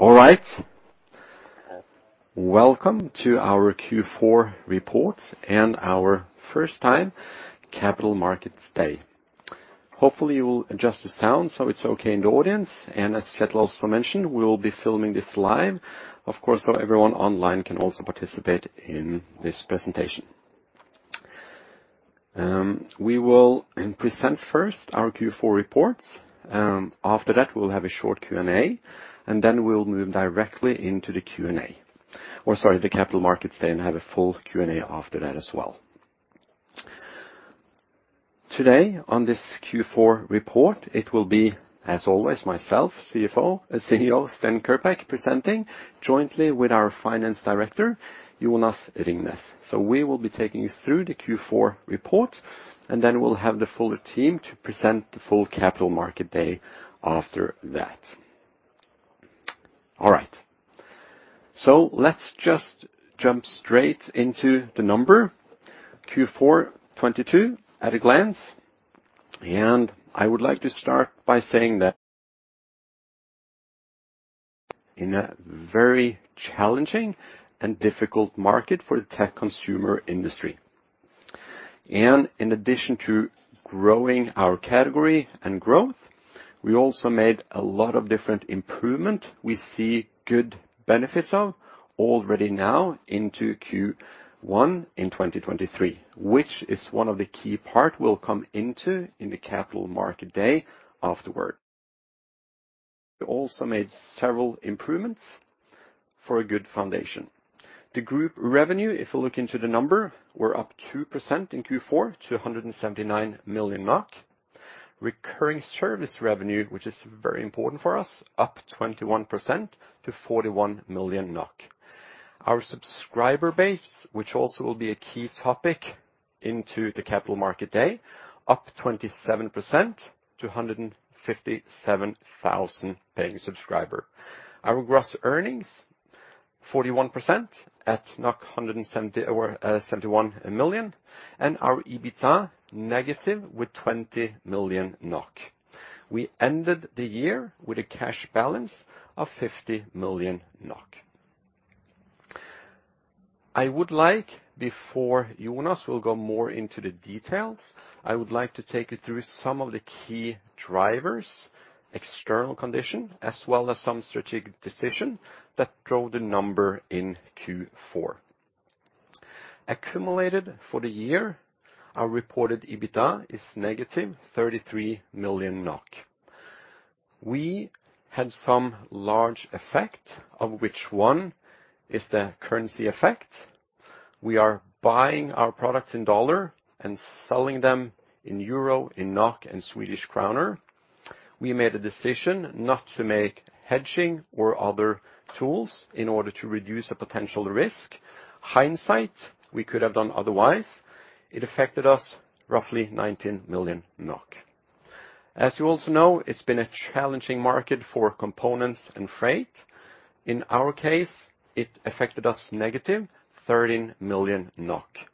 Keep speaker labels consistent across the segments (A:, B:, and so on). A: All right. Welcome to our Q4 reports and our first time Capital Markets Day. Hopefully, you will adjust the sound so it's okay in the audience. As Kjetil also mentioned, we'll be filming this live, of course, so everyone online can also participate in this presentation. We will present first our Q4 reports. After that, we'll have a short Q&A, and then we'll move directly into the Q&A. Or sorry, the Capital Markets Day and have a full Q&A after that as well. Today on this Q4 report, it will be, as always, myself, CEO Sten Kirkbak presenting jointly with our Finance Director, Jonas Ringstad. We will be taking you through the Q4 report, and then we'll have the full team to present the full Capital Market Day after that. All right. Let's just jump straight into the number. Q4 2022 at a glance. I would like to start by saying that. In a very challenging and difficult market for the tech consumer industry. In addition to growing our category and growth, we also made a lot of different improvement we see good benefits of already now into Q1 in 2023, which is one of the key part we'll come into in the Capital Market Day afterward. We also made several improvements for a good foundation. The group revenue, if you look into the number, we're up 2% in Q4 to 179 million NOK. Recurring service revenue, which is very important for us, up 21% to 41 million NOK. Our subscriber base, which also will be a key topic into the Capital Market Day, up 27% to 157,000 paying subscriber. Our gross earnings, 41% at 171 million. Our EBITDA negative with 20 million NOK. We ended the year with a cash balance of 50 million NOK. I would like before Jonas will go more into the details, I would like to take you through some of the key drivers, external condition, as well as some strategic decision that drove the number in Q4. Accumulated for the year, our reported EBITDA is negative 33 million NOK. We had some large effect, of which one is the currency effect. We are buying our products in dollar and selling them in euro, in NOK and Swedish kroner. We made a decision not to make hedging or other tools in order to reduce a potential risk. Hindsight, we could have done otherwise. It affected us roughly 19 million NOK. You also know, it's been a challenging market for components and freight. In our case, it affected us negative 13 million NOK.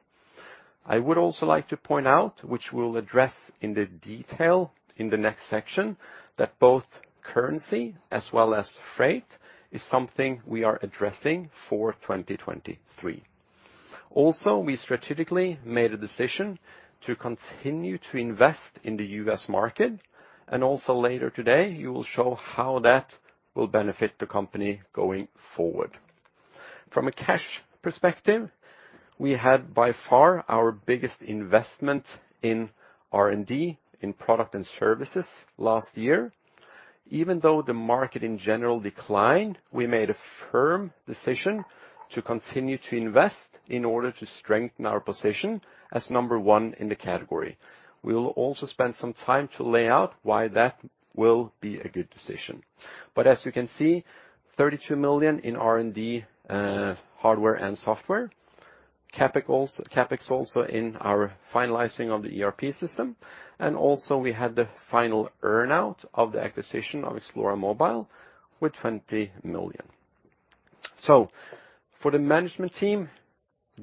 A: I would also like to point out, which we'll address in the detail in the next section, that both currency as well as freight is something we are addressing for 2023. We strategically made a decision to continue to invest in the U.S. market, and also later today, you will show how that will benefit the company going forward. From a cash perspective, we had by far our biggest investment in R&D in product and services last year. Even though the market in general declined, we made a firm decision to continue to invest in order to strengthen our position as number one in the category. We'll also spend some time to lay out why that will be a good decision. As you can see, 32 million in R&D, hardware and software. CapEx also in our finalizing of the ERP system. We had the final earn-out of the acquisition of Xplora Mobile with 20 million. For the management team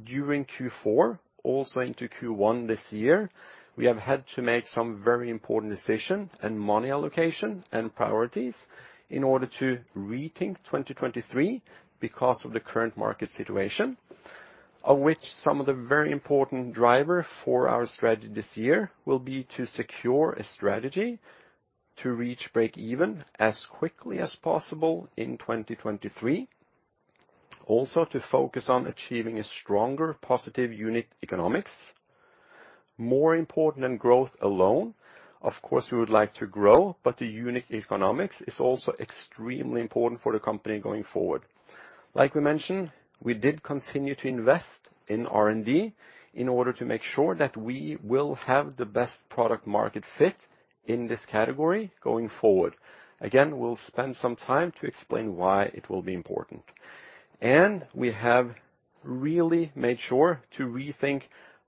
A: during Q4, also into Q1 this year, we have had to make some very important decision and money allocation and priorities in order to rethink 2023 because of the current market situation, of which some of the very important driver for our strategy this year will be to secure a strategy to reach break even as quickly as possible in 2023. To focus on achieving a stronger positive unit economics. More important than growth alone, of course, we would like to grow. The unit economics is also extremely important for the company going forward. Like we mentioned, we did continue to invest in R&D in order to make sure that we will have the best product market fit in this category going forward. Again, we'll spend some time to explain why it will be important. We have really made sure to rethink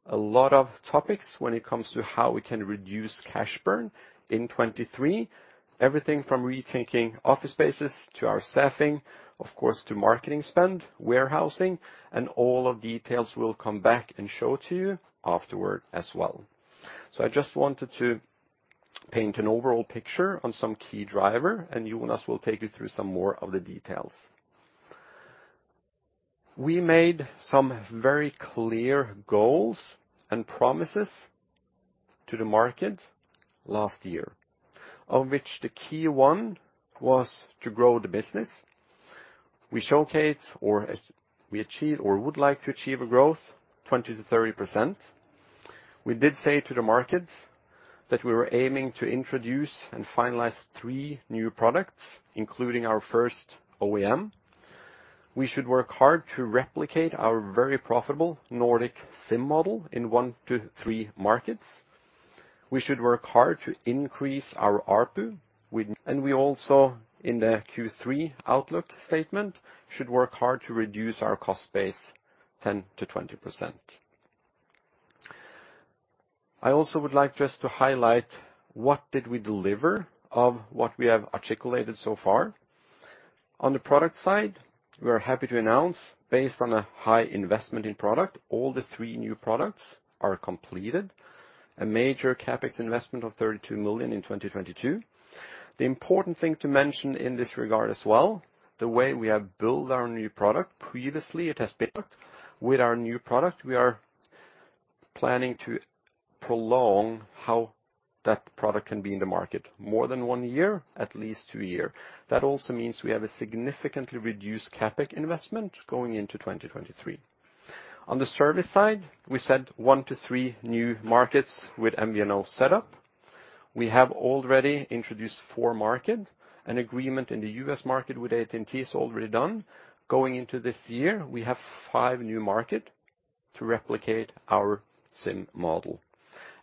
A: a lot of topics when it comes to how we can reduce cash burn in 2023. Everything from rethinking office spaces to our staffing, of course, to marketing spend, warehousing, and all of the details we'll come back and show to you afterward as well. I just wanted to paint an overall picture on some key driver, and Jonas will take you through some more of the details. We made some very clear goals and promises to the market last year, of which the key one was to grow the business. We showcase or we achieve or would like to achieve a growth 20%-30%. We did say to the market that we were aiming to introduce and finalize 3 new products, including our first OEM. We should work hard to replicate our very profitable Nordic SIM model in 1 to 3 markets. We should work hard to increase our ARPU with. We also, in the Q3 outlook statement, should work hard to reduce our cost base 10%-20%. I also would like just to highlight what did we deliver of what we have articulated so far. On the product side, we are happy to announce, based on a high investment in product, all the 3 new products are completed. A major CapEx investment of 32 million in 2022. The important thing to mention in this regard as well, the way we have built our new product previously, with our new product, we are planning to prolong how that product can be in the market. More than 1 year, at least 2 year. That also means we have a significantly reduced CapEx investment going into 2023. On the service side, we said 1 to 3 new markets with MVNO setup. We have already introduced 4 market. An agreement in the U.S. market with AT&T is already done. Going into this year, we have 5 new market to replicate our SIM model.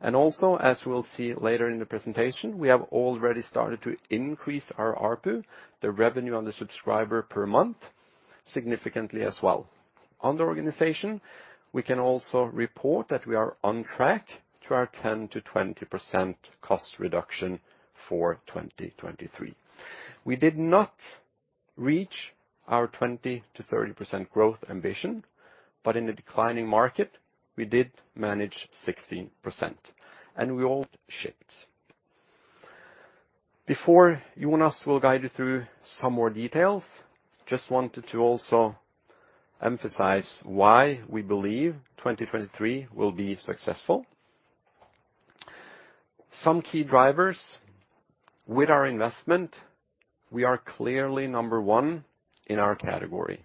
A: Also, as we'll see later in the presentation, we have already started to increase our ARPU, the revenue on the subscriber per month, significantly as well. On the organization, we can also report that we are on track to our 10%-20% cost reduction for 2023. We did not reach our 20%-30% growth ambition, in a declining market, we did manage 16% and we all shipped. Before Jonas will guide you through some more details, just wanted to also emphasize why we believe 2023 will be successful. Some key drivers with our investment, we are clearly number one in our category.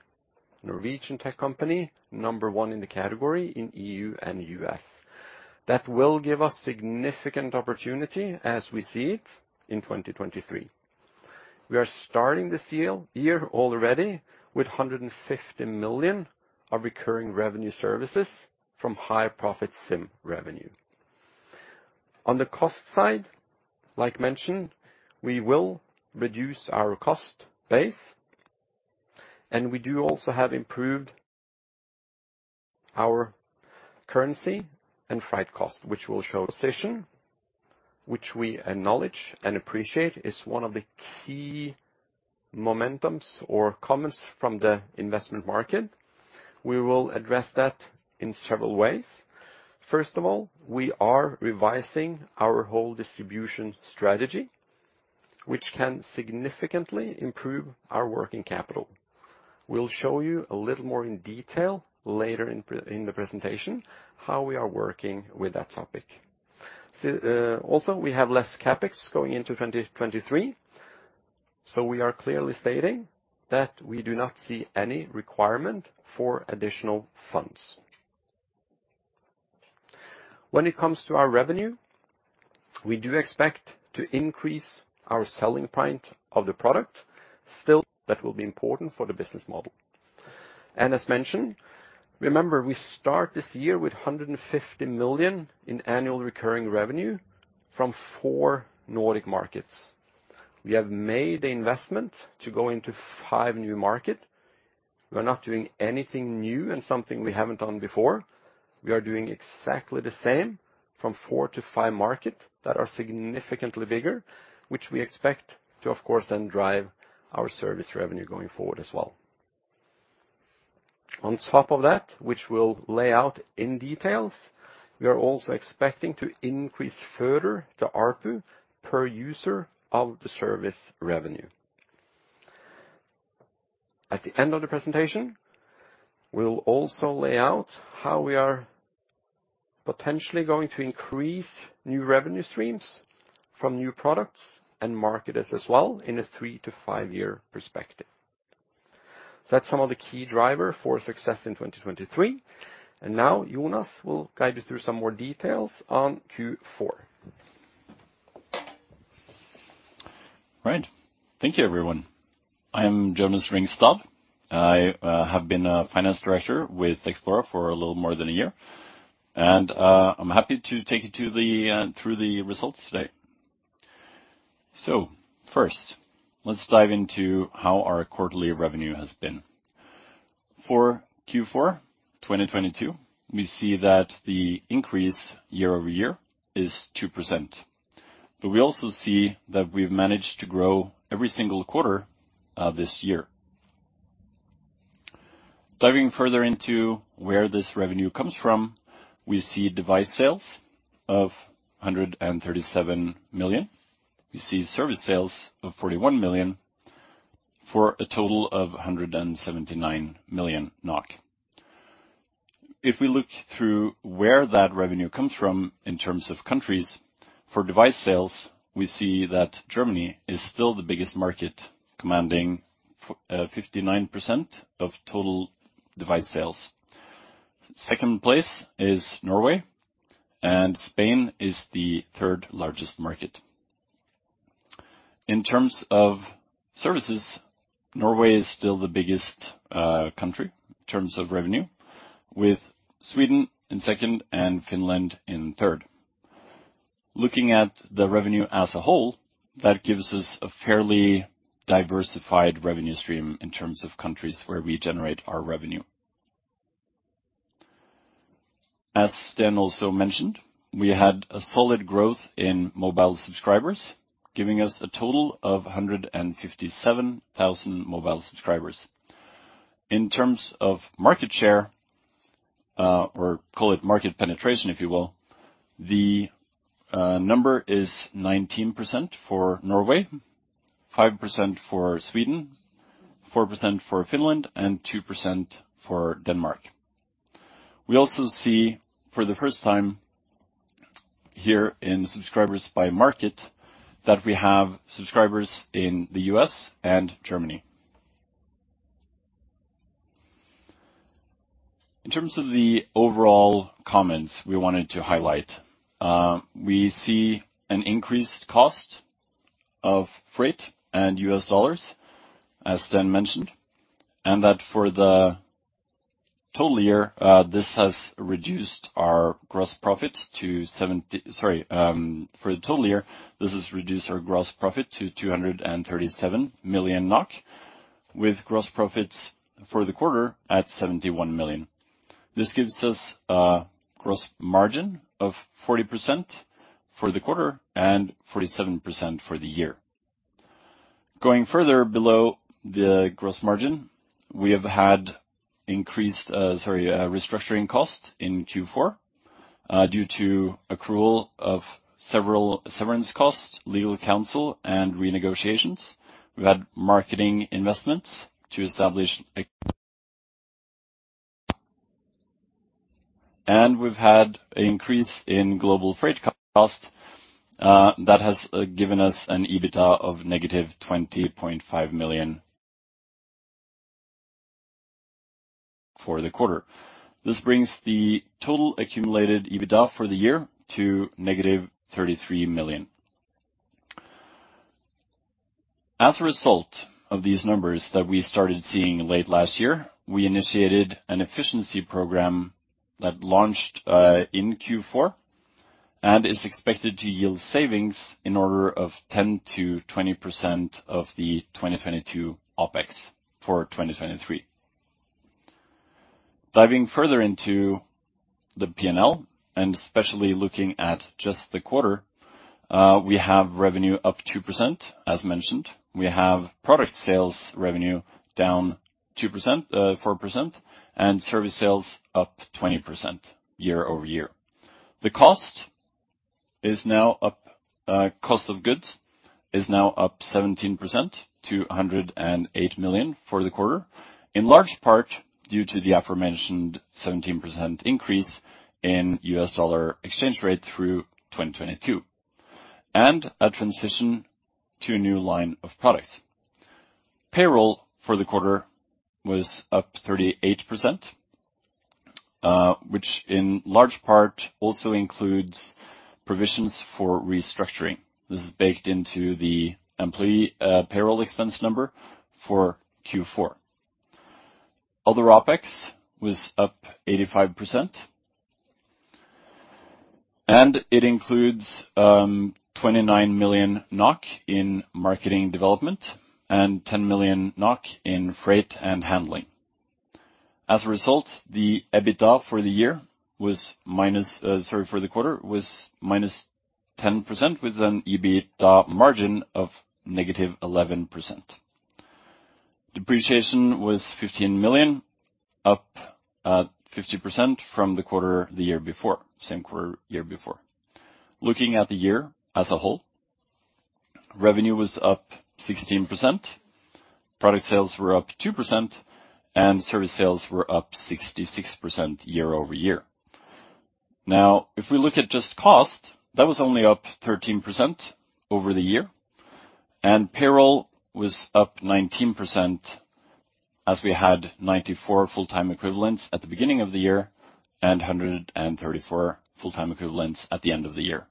A: Norwegian tech company, number one in the category in EU and U.S. That will give us significant opportunity as we see it in 2023. We are starting this year already with 150 million of recurring revenue services from higher profit SIM revenue. On the cost side, like mentioned, we will reduce our cost base, and we do also have improved our currency and freight cost, which will show a station which we acknowledge and appreciate is one of the key momentums or comments from the investment market. We will address that in several ways. First of all, we are revising our whole distribution strategy, which can significantly improve our working capital. We'll show you a little more in detail later in the presentation, how we are working with that topic. Also we have less CapEx going into 2023, we are clearly stating that we do not see any requirement for additional funds. When it comes to our revenue, we do expect to increase our selling point of the product. That will be important for the business model. As mentioned, remember, we start this year with 150 million in annual recurring revenue from 4 Nordic markets. We have made the investment to go into 5 new market. We're not doing anything new and something we haven't done before. We are doing exactly the same from 4 to 5 market that are significantly bigger, which we expect to, of course, then drive our service revenue going forward as well. On top of that, which we'll lay out in details, we are also expecting to increase further the ARPU per user of the service revenue. At the end of the presentation, we'll also lay out how we are potentially going to increase new revenue streams from new products and market it as well in a 3-5 year perspective. That's some of the key driver for success in 2023. Now Jonas will guide you through some more details on Q4.
B: Right. Thank you, everyone. I'm Jonas Ringstad. I have been a finance director with Xplora for a little more than a year, and I'm happy to take you to the through the results today. First, let's dive into how our quarterly revenue has been. For Q4 2022, we see that the increase year-over-year is 2%. We also see that we've managed to grow every single quarter this year. Diving further into where this revenue comes from, we see device sales of 137 million. We see service sales of 41 million for a total of 179 million NOK. If we look through where that revenue comes from in terms of countries, for device sales, we see that Germany is still the biggest market, commanding 59% of total device sales. Second place is Norway, and Spain is the 3rd largest market. In terms of services, Norway is still the biggest country in terms of revenue, with Sweden in 2nd and Finland in 3rd. Looking at the revenue as a whole, that gives us a fairly diversified revenue stream in terms of countries where we generate our revenue. As Sten also mentioned, we had a solid growth in mobile subscribers, giving us a total of 157,000 mobile subscribers. In terms of market share, or call it market penetration, if you will, the number is 19% for Norway, 5% for Sweden, 4% for Finland, and 2% for Denmark. We also see for the first time here in subscribers by market that we have subscribers in the U.S. and Germany. In terms of the overall comments we wanted to highlight, we see an increased cost of freight and U.S. dollars, as Sten mentioned. That for the total year, this has reduced our gross profit to Sorry, for the total year, this has reduced our gross profit to 237 million NOK, with gross profits for the quarter at 71 million. This gives us a gross margin of 40% for the quarter and 47% for the year. Going further below the gross margin, we have had increased, sorry, restructuring costs in Q4 due to accrual of several severance costs, legal counsel, and renegotiations. We've had marketing investments to establish. We've had increase in global freight cost that has given us an EBITDA of negative 20.5 million for the quarter. This brings the total accumulated EBITDA for the year to negative 33 million. As a result of these numbers that we started seeing late last year, we initiated an efficiency program that launched in Q4, and is expected to yield savings in order of 10%-20% of the 2022 OpEx for 2023. Diving further into the P&L, especially looking at just the quarter, we have revenue up 2% as mentioned. We have product sales revenue down 4% and service sales up 20% year-over-year. Cost of goods is now up 17% to 108 million for the quarter, in large part due to the aforementioned 17% increase in U.S. dollar exchange rate through 2022, and a transition to a new line of products. Payroll for the quarter was up 38%, which in large part also includes provisions for restructuring. This is baked into the employee payroll expense number for Q4. Other OpEx was up 85%, and it includes 29 million NOK in marketing development and 10 million NOK in freight and handling. As a result, the EBITDA for the year was minus, for the quarter was minus 10%, with an EBITDA margin of negative 11%. Depreciation was 15 million, up 50% from the quarter the year before, same quarter year before. Looking at the year as a whole, revenue was up 16%, product sales were up 2%, and service sales were up 66% year-over-year. If we look at just cost, that was only up 13% over the year, and payroll was up 19% as we had 94 full-time equivalents at the beginning of the year and 134 full-time equivalents at the end of the year.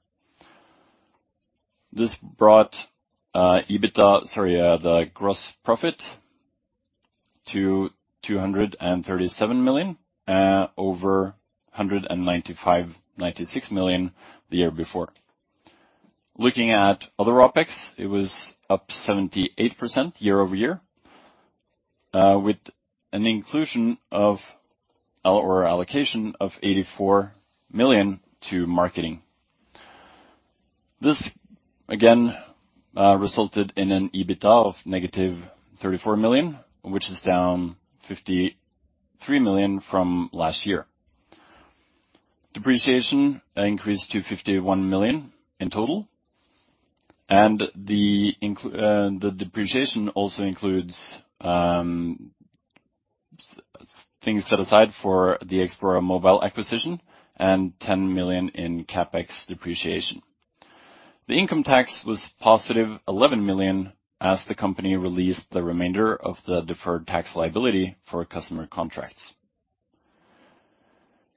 B: This brought EBITDA, sorry, the gross profit to 237 million over 195-196 million the year before. Looking at other OpEx, it was up 78% year-over-year, with an inclusion of or allocation of 84 million to marketing. This again resulted in an EBITDA of negative 34 million, which is down 53 million from last year. Depreciation increased to 51 million in total, and the depreciation also includes things set aside for the Xplora Mobile acquisition and 10 million in CapEx depreciation. The income tax was positive 11 million as the company released the remainder of the deferred tax liability for customer contracts.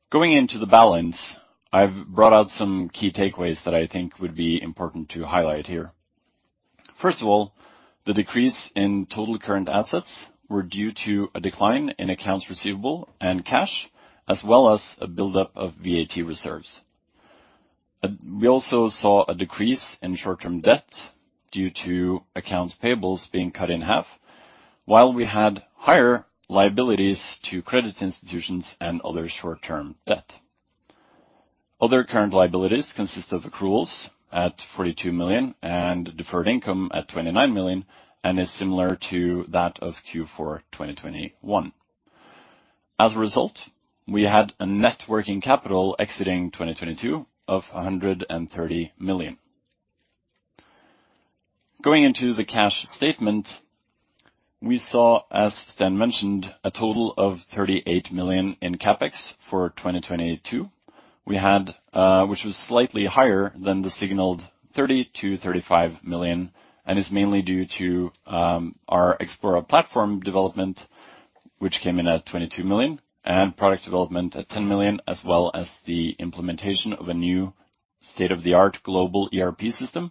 B: Going into the balance, I've brought out some key takeaways that I think would be important to highlight here. First of all, the decrease in total current assets were due to a decline in accounts receivable and cash, as well as a buildup of VAT reserves. We also saw a decrease in short-term debt due to accounts payables being cut in half, while we had higher liabilities to credit institutions and other short-term debt. Other current liabilities consist of accruals at 42 million and deferred income at 29 million, is similar to that of Q4, 2021. As a result, we had a net working capital exiting 2022 of 130 million. Going into the cash statement, we saw, as Sten mentioned, a total of 38 million in CapEx for 2022. We had, which was slightly higher than the signaled 30 million-35 million, and is mainly due to our Xplora platform development, which came in at 22 million, and product development at 10 million, as well as the implementation of a new state-of-the-art global ERP system,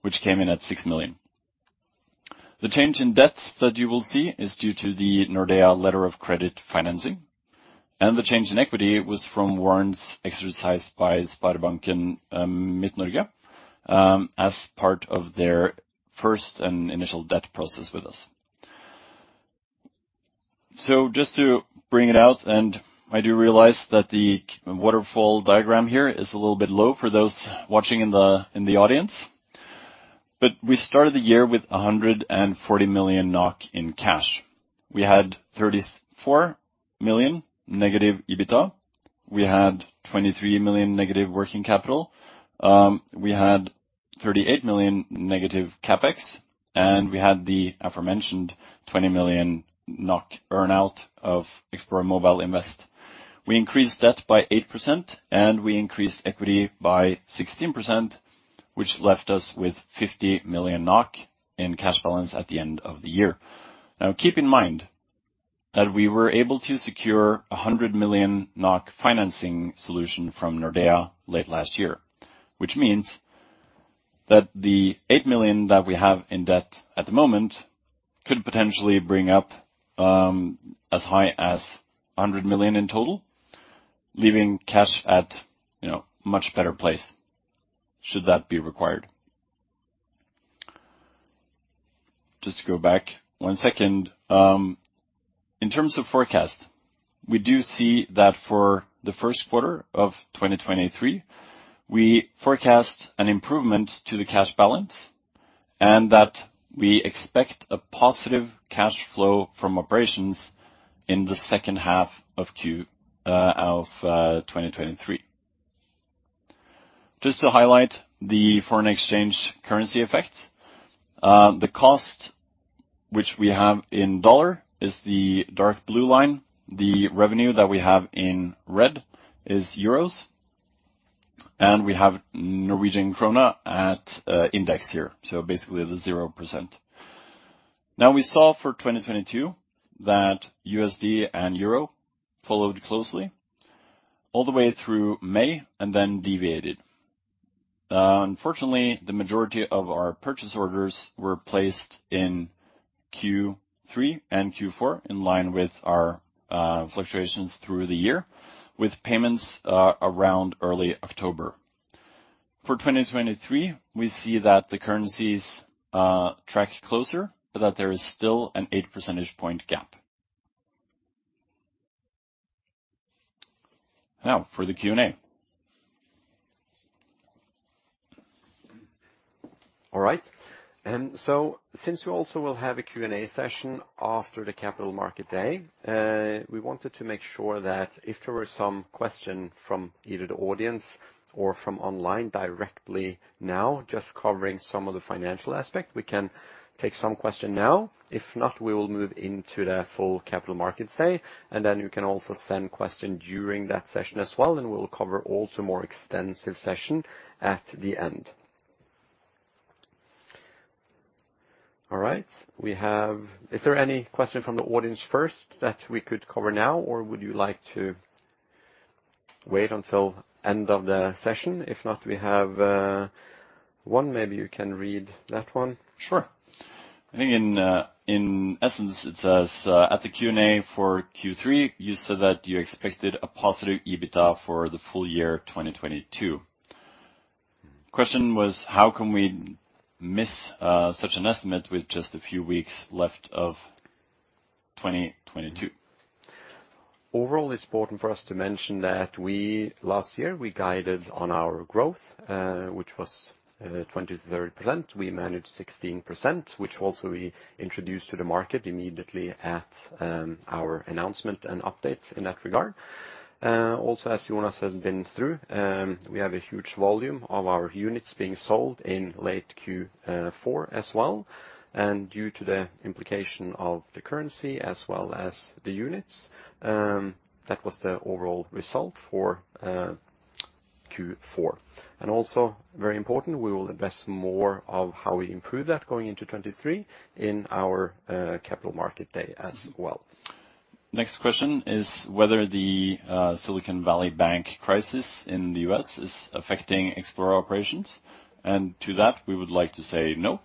B: which came in at 6 million. The change in debt that you will see is due to the Nordea letter of credit financing, and the change in equity was from warrants exercised by Sparebanken Midt-Norge as part of their first and initial debt process with us. Just to bring it out, and I do realize that the waterfall diagram here is a little bit low for those watching in the audience. We started the year with 140 million NOK in cash. We had 34 million negative EBITDA. We had 23 million negative working capital. We had 38 million negative CapEx, and we had the aforementioned 20 million NOK burnout of Xplora Mobile invest. We increased debt by 8%, and we increased equity by 16%, which left us with 50 million NOK in cash balance at the end of the year. Keep in mind that we were able to secure a 100 million NOK financing solution from Nordea late last year, which means that the 8 million that we have in debt at the moment could potentially bring up as high as 100 million in total, leaving cash at, you know, much better place should that be required. Just to go back 1 second. In terms of forecast, we do see that for the first quarter of 2023, we forecast an improvement to the cash balance and that we expect a positive cash flow from operations in the second half of Q of 2023. Just to highlight the foreign exchange currency effects. The cost which we have in dollar is the dark blue line. The revenue that we have in red is euros, and we have Norwegian krona at index here, so basically the 0%. We saw for 2022 that USD and euro followed closely all the way through May and then deviated. Unfortunately, the majority of our purchase orders were placed in Q3 and Q4, in line with our fluctuations through the year, with payments around early October. For 2023, we see that the currencies tracked closer, but that there is still an 8 percentage point gap. Now for the Q&A.
A: All right. Since we also will have a Q&A session after the capital market day, we wanted to make sure that if there were some question from either the audience or from online directly now, just covering some of the financial aspect, we can take some question now. We will move into the full capital markets day, and then you can also send question during that session as well, and we'll cover also more extensive session at the end. All right. Is there any question from the audience first that we could cover now, or would you like to wait until end of the session? We have, one, maybe you can read that one.
B: Sure. I think in essence, it says, at the Q&A for Q3, you said that you expected a positive EBITDA for the full year 2022. Question was, how can we miss such an estimate with just a few weeks left of 2022?
A: Overall, it's important for us to mention that last year, we guided on our growth, which was 20%-30%. We managed 16%, which also we introduced to the market immediately at our announcement and updates in that regard. Also, as Jonas has been through, we have a huge volume of our units being sold in late Q4 as well. Due to the implication of the currency as well as the units, that was the overall result for Q4. Also very important, we will invest more of how we improve that going into 2023 in our capital market day as well.
B: Next question is whether the Silicon Valley Bank crisis in the U.S. is affecting Xplora operations. To that, we would like to say no.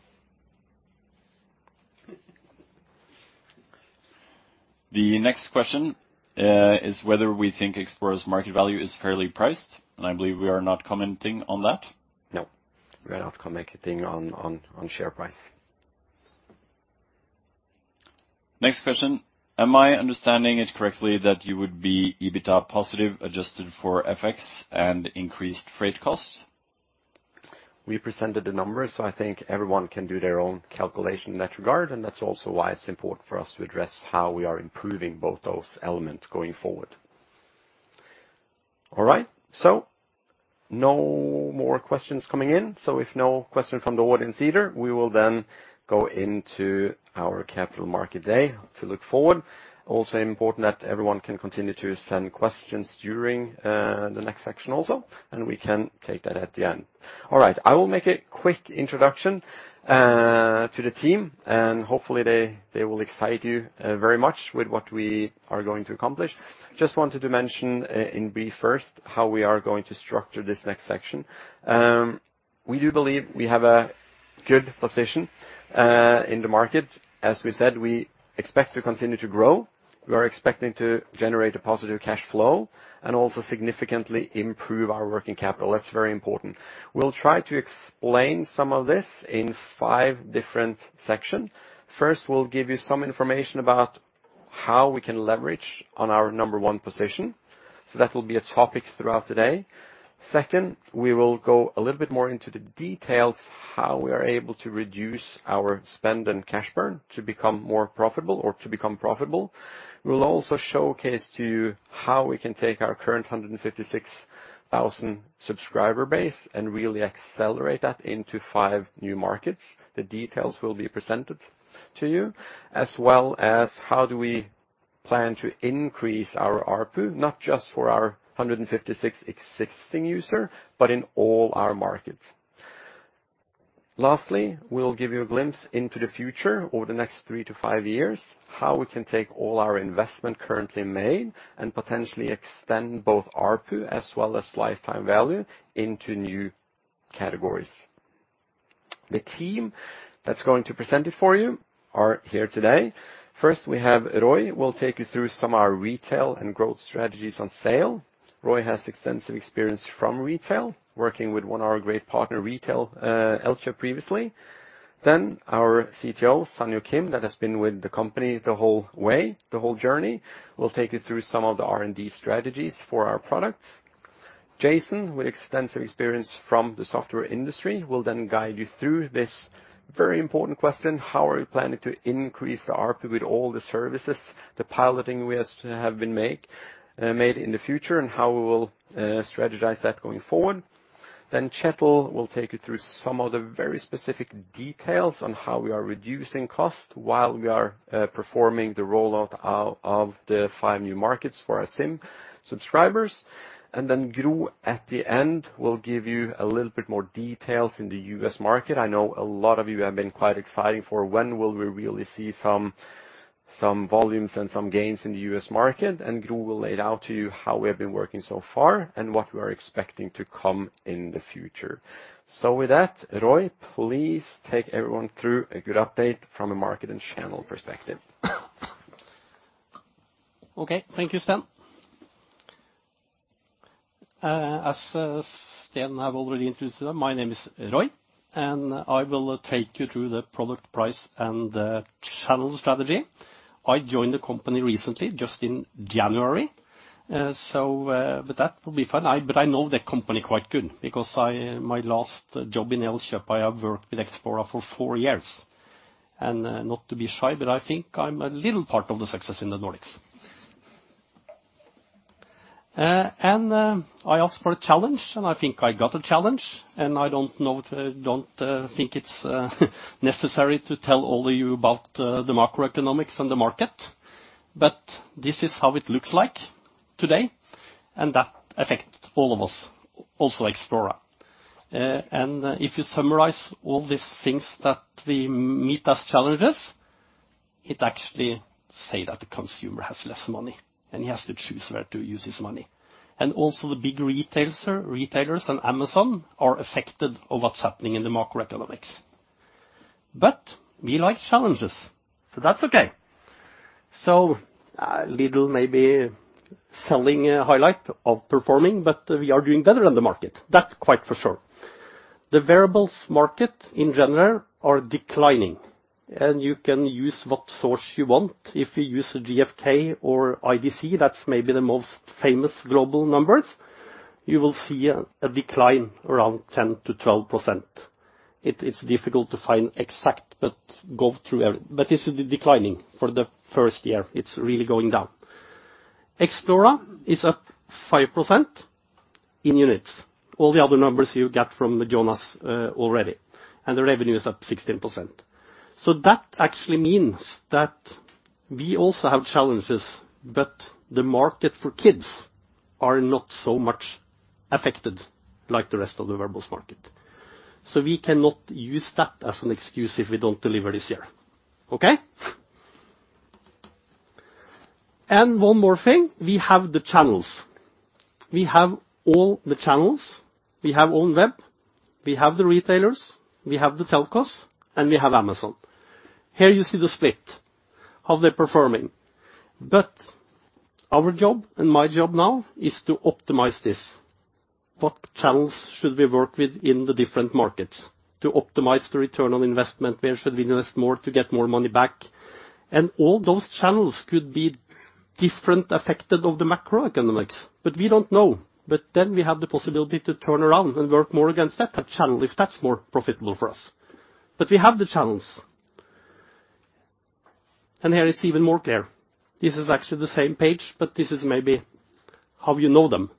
B: The next question is whether we think Xplora's market value is fairly priced. I believe we are not commenting on that.
A: No, we are not commenting on share price.
B: Next question. Am I understanding it correctly that you would be EBITDA positive, adjusted for FX and increased freight costs?
A: We presented the numbers, so I think everyone can do their own calculation in that regard, and that's also why it's important for us to address how we are improving both those elements going forward. All right. No more questions coming in. If no question from the audience either, we will then go into our capital market day to look forward. Important that everyone can continue to send questions during the next section also, and we can take that at the end. I will make a quick introduction to the team, and hopefully they will excite you very much with what we are going to accomplish. Just wanted to mention in brief first how we are going to structure this next section. We do believe we have a good position in the market. As we said, we expect to continue to grow. We are expecting to generate a positive cash flow and also significantly improve our working capital. That's very important. We'll try to explain some of this in 5 different sections. First, we'll give you some information about how we can leverage on our number one position. That will be a topic throughout the day. Second, we will go a little bit more into the details how we are able to reduce our spend and cash burn to become more profitable or to become profitable. We'll also showcase to you how we can take our current 156,000 subscriber base and really accelerate that into five new markets. The details will be presented to you, as well as how do we plan to increase our ARPU, not just for our 156 existing user, but in all our markets. We'll give you a glimpse into the future over the next 3-5 years, how we can take all our investment currently made and potentially extend both ARPU as well as lifetime value into new categories. The team that's going to present it for you are here today. First, we have Roy will take you through some of our retail and growth strategies on sale. Roy has extensive experience from retail, working with one of our great partner retail, Elkjøp previously. Our CTO, Sanghyo Kim, that has been with the company the whole way, the whole journey, will take you through some of the R&D strategies for our products. Jason, with extensive experience from the software industry, will guide you through this very important question, how are we planning to increase the ARPU with all the services, the piloting we have been made in the future, and how we will strategize that going forward. Kjetil will take you through some of the very specific details on how we are reducing cost while we are performing the rollout out of the five new markets for our SIM subscribers. Gro at the end will give you a little bit more details in the U.S. market. I know a lot of you have been quite excited for when will we really see some volumes and some gains in the U.S. market. Gro will lay it out to you how we have been working so far and what we are expecting to come in the future. With that, Roy, please take everyone through a good update from a market and channel perspective.
C: Okay. Thank you, Sten. As Sten have already introduced, my name is Roy, and I will take you through the product price and the channel strategy. I joined the company recently, just in January. But that will be fun. But I know the company quite good because my last job in Elkjøp, I have worked with Xplora for four years. Not to be shy, but I think I'm a little part of the success in the Nordics. I asked for a challenge, and I think I got a challenge, and I don't know, don't think it's necessary to tell all of you about the macroeconomics and the market. This is how it looks like today, and that affect all of us, also Xplora. If you summarize all these things that we meet as challenges, it actually say that the consumer has less money, and he has to choose where to use his money. Also the big retailers and Amazon are affected of what's happening in the macroeconomics. We like challenges, so that's okay. A little maybe selling highlight of performing, but we are doing better than the market. That quite for sure. The wearables market in general are declining, and you can use what source you want. If you use GfK or IDC, that's maybe the most famous global numbers, you will see a decline around 10%-12%. It's difficult to find exact, but go through every—it's declining for the first year. It's really going down. Xplora is up 5% in units. All the other numbers you get from Jonas already. The revenue is up 16%. That actually means that we also have challenges, but the market for kids are not so much affected like the rest of the wearables market. We cannot use that as an excuse if we don't deliver this year. Okay? One more thing, we have the channels. We have all the channels. We have own web, we have the retailers, we have the telcos, and we have Amazon. Here you see the split, how they're performing. Our job, and my job now, is to optimize this. What channels should we work with in the different markets to optimize the return on investment? Where should we invest more to get more money back? All those channels could be different affected of the macroeconomics, but we don't know. We have the possibility to turn around and work more against that channel if that's more profitable for us. We have the channels. Here it's even more clear. This is actually the same page, but this is maybe how you know them.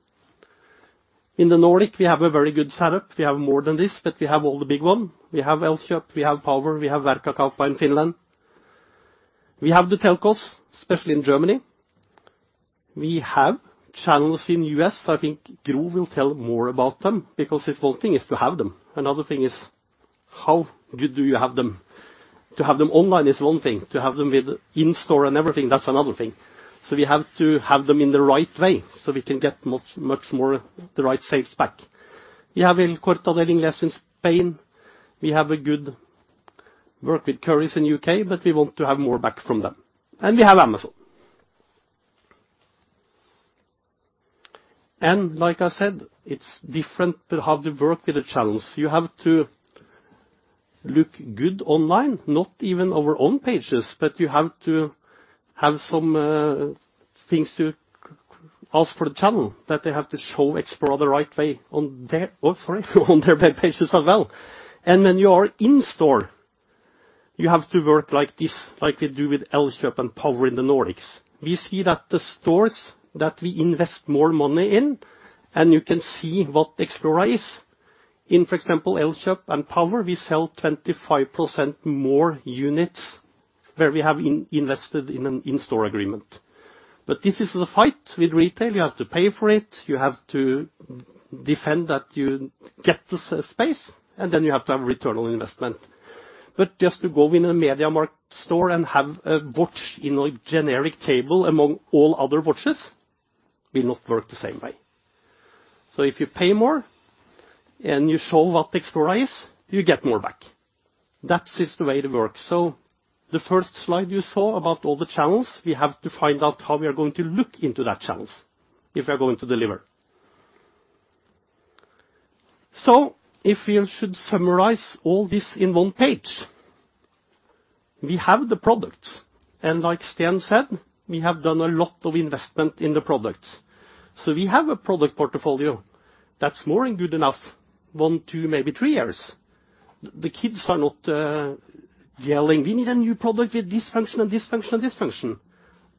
C: In the Nordic, we have a very good setup. We have more than this, but we have all the big one. We have Elkjøp, we have Power, we have Verkkokauppa.com in Finland. We have the telcos, especially in Germany. We have channels in U.S. I think Gro will tell more about them, because it's one thing is to have them, another thing is how good do you have them? To have them online is one thing. To have them with in-store and everything, that's another thing. We have to have them in the right way, so we can get much, much more the right sales back. We have El Corte Inglés in Spain. We have a good work with Currys in U.K., but we want to have more back from them. We have Amazon. Like I said, it's different how to work with the channels. You have to look good online, not even our own pages, but you have to have some things to ask for the channel, that they have to show Xplora the right way on their web pages as well. When you are in store, you have to work like this, like we do with Elkjøp and Power in the Nordics. We see that the stores that we invest more money in, and you can see what Xplora is. In, for example, Elkjøp and Power, we sell 25% more units where we have invested in an in-store agreement. This is a fight with retail. You have to pay for it, you have to defend that you get the space, and then you have to have return on investment. Just to go in a MediaMarkt store and have a watch in a generic table among all other watches will not work the same way. If you pay more and you show what Xplora is, you get more back. That is the way it works. The first slide you saw about all the channels, we have to find out how we are going to look into that channels if we are going to deliver. If you should summarize all this in one page, we have the product. Like Sten said, we have done a lot of investment in the products. We have a product portfolio that's more than good enough, 1, 2, maybe 3 years. The kids are not yelling, "We need a new product with this function and this function and this function."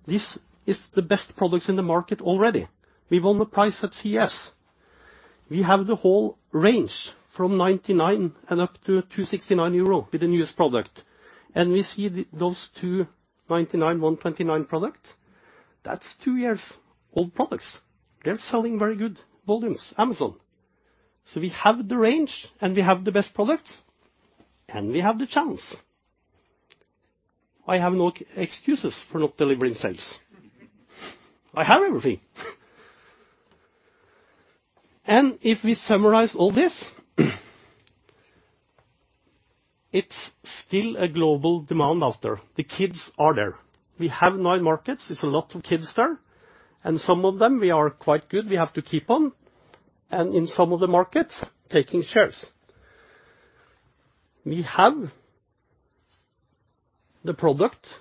C: This is the best products in the market already. We won the price at CES. We have the whole range from 99 and up to 269 euro with the newest product. We see those 2, 99, 129 product, that's 2 years old products. They're selling very good volumes, Amazon. We have the range, and we have the best product, and we have the channels. I have no excuses for not delivering sales. I have everything. If we summarize all this, it's still a global demand out there. The kids are there. We have nine markets, it's a lot of kids there. Some of them we are quite good, we have to keep on. In some of the markets, taking shares. We have the product.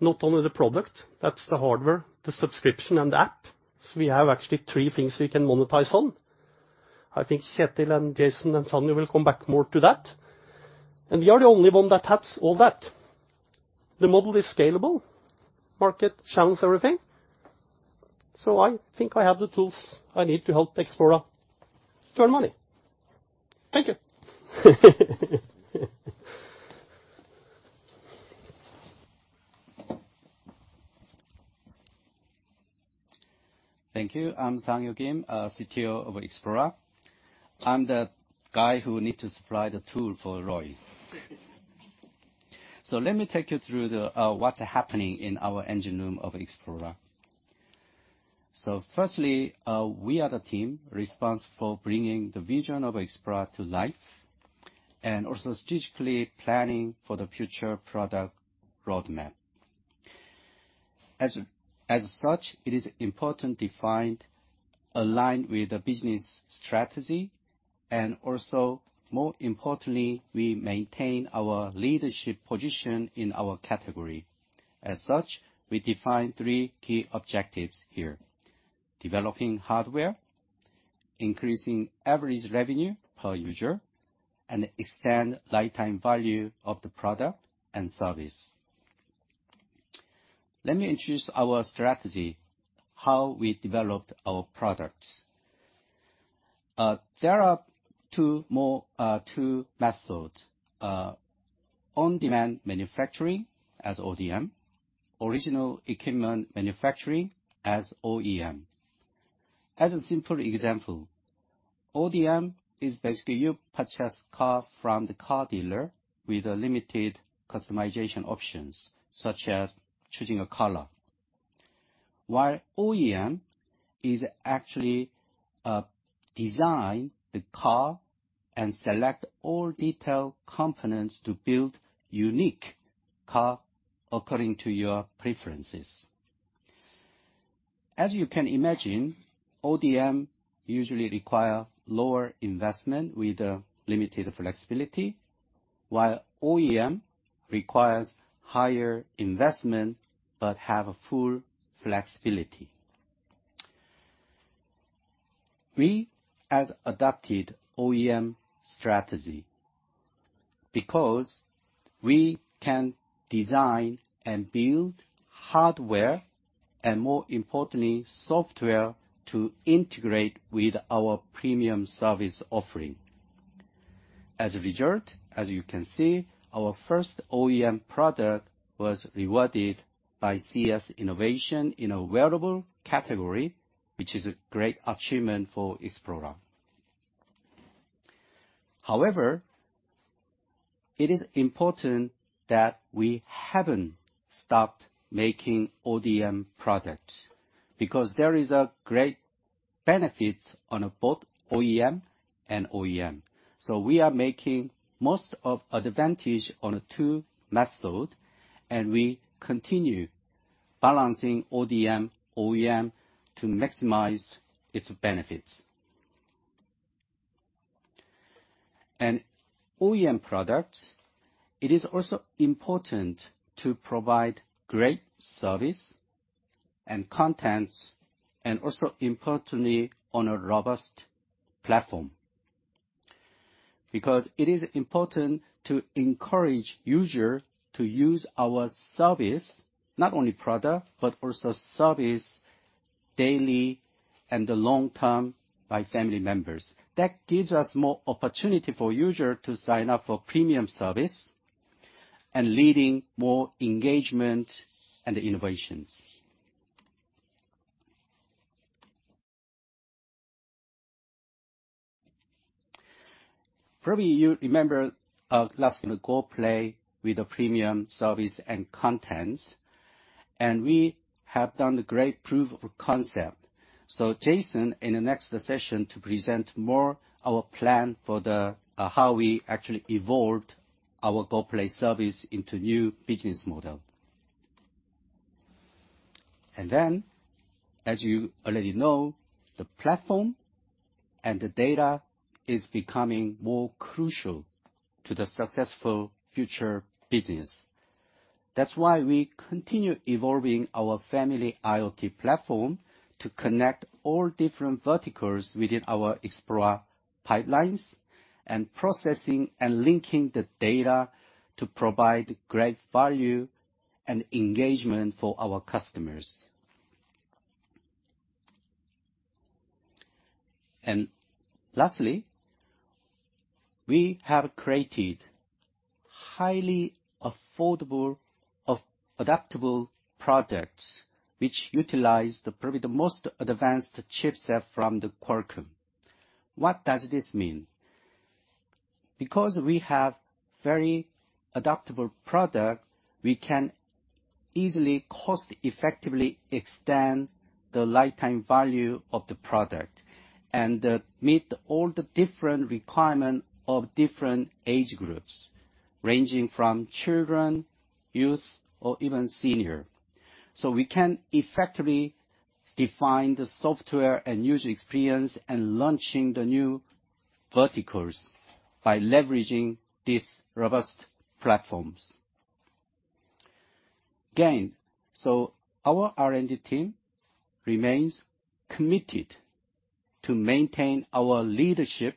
C: Not only the product, that's the hardware, the subscription and the app. We have actually three things we can monetize on. I think Kjetil and Jason and Sanghyo Kim will come back more to that. We are the only one that has all that. The model is scalable, market, channels, everything. I think I have the tools I need to help Xplora earn money. Thank you.
D: Thank you. I'm Sanghyo Kim, CTO of Xplora. I'm the guy who need to supply the tool for Roy. Let me take you through the what's happening in our engine room of Xplora. Firstly, we are the team responsible for bringing the vision of Xplora to life and also strategically planning for the future product roadmap. As such, it is important to find align with the business strategy, and also more importantly, we maintain our leadership position in our category. As such, we define three key objectives here: developing hardware, increasing average revenue per user, and extend lifetime value of the product and service. Let me introduce our strategy, how we developed our products. There are two methods, on-demand manufacturing as ODM, original equipment manufacturing as OEM. As a simple example, ODM is basically you purchase car from the car dealer with limited customization options, such as choosing a color, while OEM is actually design the car and select all detailed components to build unique car according to your preferences. As you can imagine, ODM usually require lower investment with limited flexibility, while OEM requires higher investment but have a full flexibility. We has adopted OEM strategy because we can design and build hardware, and more importantly, software to integrate with our premium service offering. As a result, as you can see, our first OEM product was rewarded by CES Innovation in a wearable category, which is a great achievement for Xplora. However, it is important that we haven't stopped making ODM products, because there is great benefits on a both OEM and ODM. We are making most of advantage on the two method, and we continue balancing ODM, OEM to maximize its benefits. OEM products, it is also important to provide great service and contents, and also importantly, on a robust platform. It is important to encourage user to use our service, not only product, but also service daily and the long term by family members. That gives us more opportunity for user to sign up for premium service and leading more engagement and innovations. Probably you remember last year, Goplay with a premium service and contents, and we have done a great proof of concept. Jason, in the next session, to present more our plan for the how we actually evolved our Goplay service into new business model. As you already know, the platform and the data is becoming more crucial to the successful future business. That's why we continue evolving our family IoT platform to connect all different verticals within our Xplora pipelines and processing and linking the data to provide great value and engagement for our customers. Lastly, we have created highly affordable of adaptable products which utilize the probably the most advanced chipset from the Qualcomm. What does this mean? Because we have very adaptable product, we can easily, cost-effectively extend the lifetime value of the product and meet all the different requirement of different age groups, ranging from children, youth or even senior. We can effectively define the software and user experience and launching the new verticals by leveraging these robust platforms. Again, our R&D team remains committed to maintain our leadership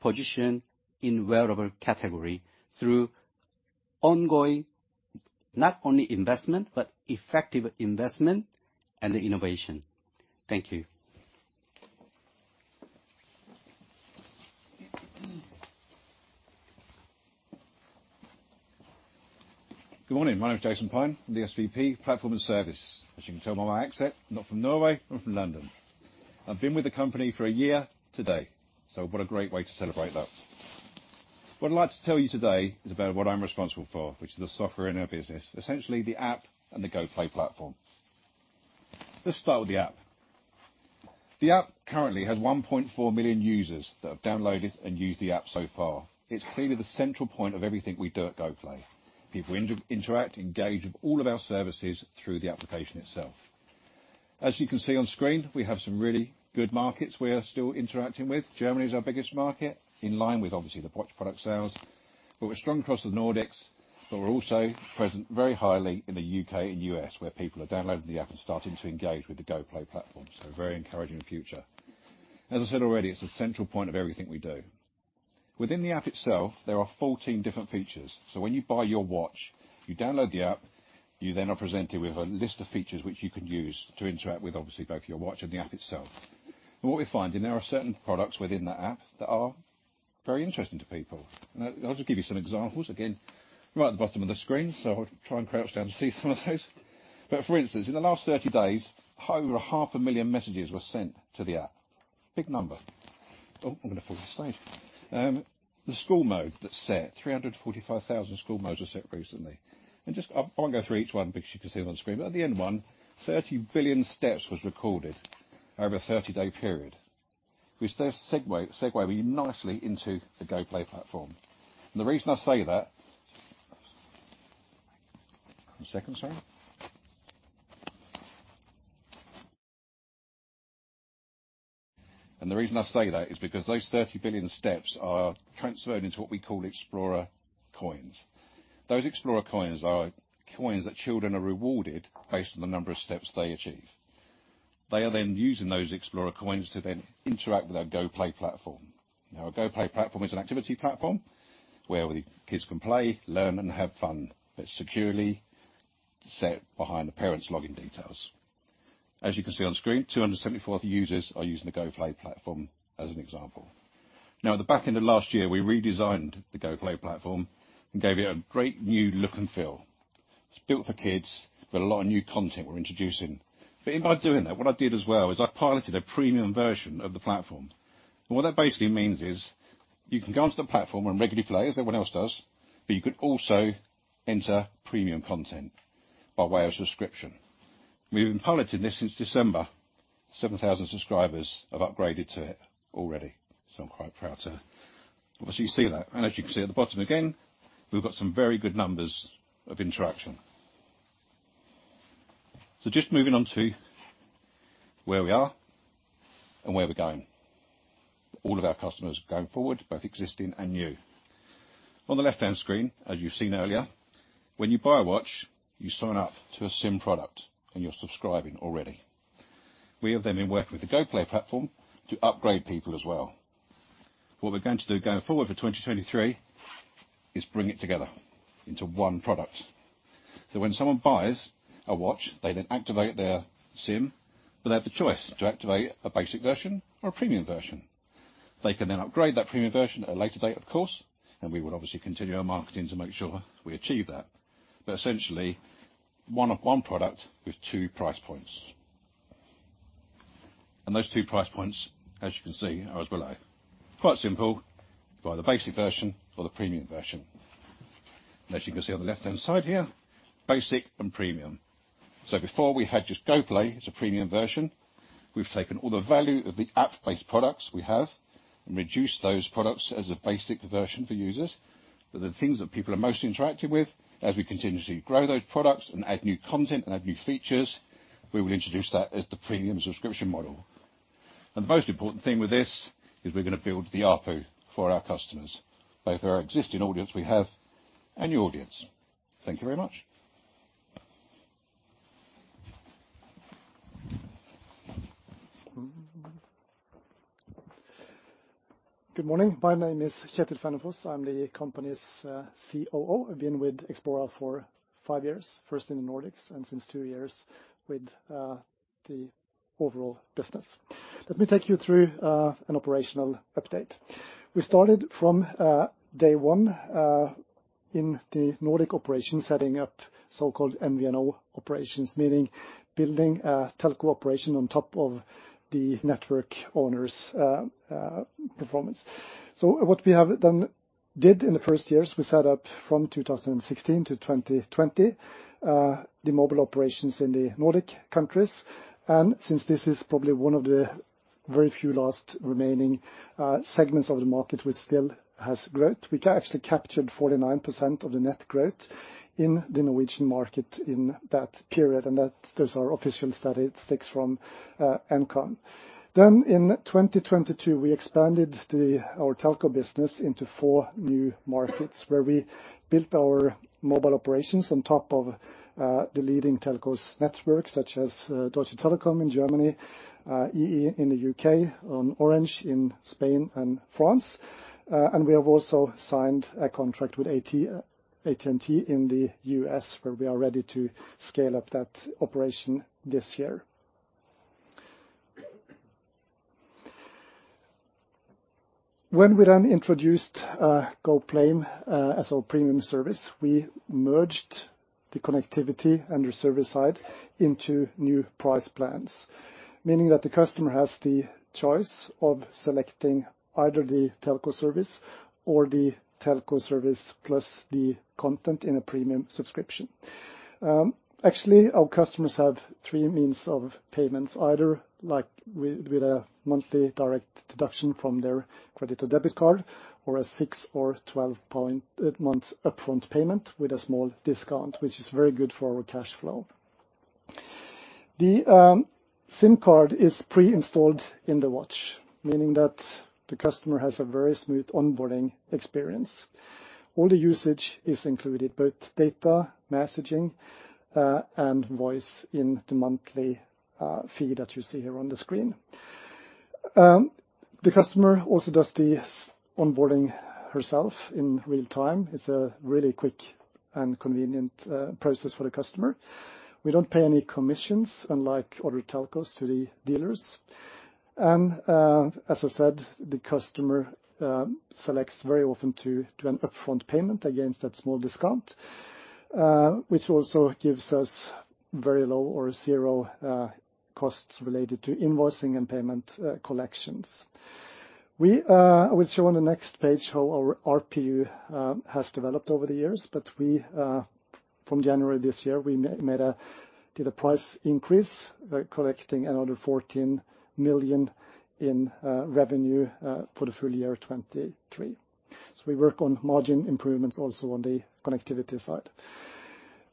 D: position in wearable category through ongoing, not only investment, but effective investment and innovation. Thank you.
E: Good morning. My name is Jason Pyne, the SVP Platform and Service. As you can tell by my accent, I'm not from Norway, I'm from London. I've been with the company for a year today. What a great way to celebrate that. What I'd like to tell you today is about what I'm responsible for, which is the software in our business, essentially the app and the Goplay platform. Let's start with the app. The app currently has 1.4 million users that have downloaded and use the app so far. It's clearly the central point of everything we do at Goplay. People interact, engage with all of our services through the application itself. As you can see on screen, we have some really good markets we are still interacting with. Germany is our biggest market in line with obviously the watch product sales. We're strong across the Nordics. We're also present very highly in the U.K. and U.S., where people are downloading the app and starting to engage with the Goplay platform. A very encouraging future. As I said already, it's a central point of everything we do. Within the app itself, there are 14 different features. When you buy your watch, you download the app, you then are presented with a list of features which you can use to interact with obviously both your watch and the app itself. What we're finding, there are certain products within that app that are very interesting to people. I'll just give you some examples. Again, right at the bottom of the screen. I'll try and crouch down to see some of those. For instance, in the last 30 days, over a half a million messages were sent to the app. Big number. I'm gonna fall off the stage. The school mode that's set, 345,000 school modes were set recently. I won't go through each one because you can see them on screen. At the end one, 30 billion steps was recorded over a 30-day period, which does segue really nicely into the GoPlay platform. The reason I say that. The reason I say that is because those 30 billion steps are transferred into what we call Xplora Coins. Those Xplora Coins are coins that children are rewarded based on the number of steps they achieve. They are then using those Xplora Coins to then interact with our GoPlay platform. Our Goplay platform is an activity platform where the kids can play, learn, and have fun. It's securely set behind the parents login details. As you can see on screen, 274 of the users are using the Goplay platform as an example. At the back end of last year, we redesigned the Goplay platform and gave it a great new look and feel. It's built for kids with a lot of new content we're introducing. By doing that, what I did as well is I piloted a premium version of the platform. What that basically means is you can go onto the platform and regularly play as everyone else does, but you could also enter premium content by way of subscription. We've been piloting this since December. 7,000 subscribers have upgraded to it already. I'm quite proud to obviously see that. As you can see at the bottom again, we've got some very good numbers of interaction. Just moving on to where we are and where we're going. All of our customers going forward, both existing and new. On the left-hand screen, as you've seen earlier, when you buy a watch, you sign up to a SIM product and you're subscribing already. We have then been working with the Goplay platform to upgrade people as well. What we're going to do going forward for 2023 is bring it together into one product. When someone buys a watch, they then activate their SIM, but they have the choice to activate a basic version or a premium version. They can then upgrade that premium version at a later date, of course, and we would obviously continue our marketing to make sure we achieve that. Essentially, one product with two price points. Those two price points, as you can see, are as below. Quite simple. You can buy the basic version or the premium version. As you can see on the left-hand side here, basic and premium. Before we had just Goplay as a premium version. We've taken all the value of the app-based products we have and reduced those products as a basic version for users. The things that people are most interacting with, as we continue to grow those products and add new content and add new features, we will introduce that as the premium subscription model. The most important thing with this is we're gonna build the ARPU for our customers, both our existing audience we have and new audience. Thank you very much.
F: Good morning. My name is Kjetil Fennefoss. I'm the company's COO. I've been with Xplora for 5 years, first in the Nordics and since 2 years with the overall business. Let me take you through an operational update. We started from day one in the Nordic operations, setting up so-called MVNO operations, meaning building a telco operation on top of the network owner's performance. What we did in the first years, we set up from 2016 to 2020 the mobile operations in the Nordic countries. Since this is probably one of the very few last remaining segments of the market which still has growth, we actually captured 49% of the net growth in the Norwegian market in that period. Those are official statistics from NKOM. In 2022, we expanded our telco business into 4 new markets, where we built our mobile operations on top of the leading telcos networks such as Deutsche Telekom in Germany, EE in the U.K., and Orange in Spain and France. We have also signed a contract with AT&T in the U.S., where we are ready to scale up that operation this year. We then introduced GoPlay as our premium service, we merged the connectivity and the service side into new price plans, meaning that the customer has the choice of selecting either the telco service or the telco service plus the content in a premium subscription. Actually, our customers have 3 means of payments, either with a monthly direct deduction from their credit or debit card, or a 6 or 12-month upfront payment with a small discount, which is very good for our cash flow. The SIM card is pre-installed in the watch, meaning that the customer has a very smooth onboarding experience. All the usage is included, both data, messaging, and voice in the monthly fee that you see here on the screen. The customer also does the onboarding herself in real time. It's a really quick and convenient process for the customer. We don't pay any commissions, unlike other telcos to the dealers. As I said, the customer selects very often to do an upfront payment against that small discount, which also gives us very low or zero costs related to invoicing and payment collections. I will show on the next page how our ARPU has developed over the years, but we from January this year, we did a price increase by collecting another 14 million in revenue for the full year 2023. We work on margin improvements also on the connectivity side.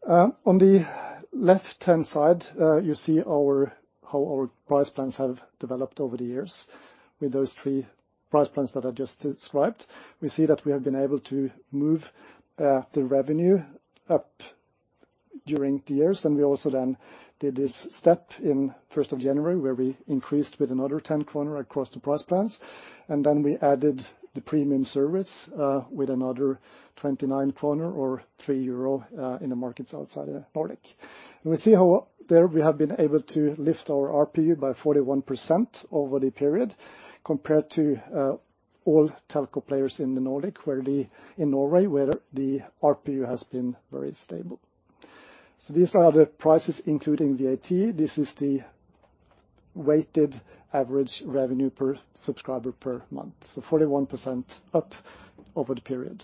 F: On the left-hand side, you see how our price plans have developed over the years with those three price plans that I just described. We see that we have been able to move the revenue up during the years. We also then did this step in first of January, where we increased with another 10 kroner across the price plans, and then we added the premium service with another 29 kroner or 3 euro in the markets outside of Nordic. We see how there we have been able to lift our ARPU by 41% over the period compared to all telco players in the Nordic, in Norway, where the ARPU has been very stable. These are the prices including VAT. This is the weighted average revenue per subscriber per month. 41% up over the period.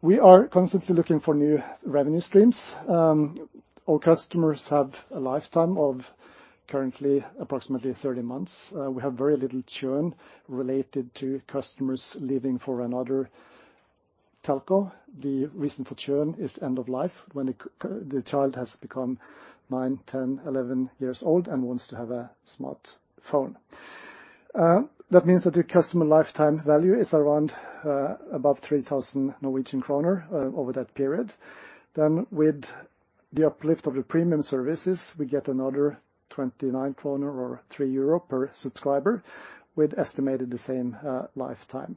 F: We are constantly looking for new revenue streams. Our customers have a lifetime of currently approximately 30 months. We have very little churn related to customers leaving for another telco. The reason for churn is end of life, when the child has become 9, 10, 11 years old and wants to have a smartphone. That means that the customer lifetime value is around, above 3,000 Norwegian kroner over that period. With the uplift of the premium services, we get another 29 kroner or 3 euro per subscriber with estimated the same lifetime.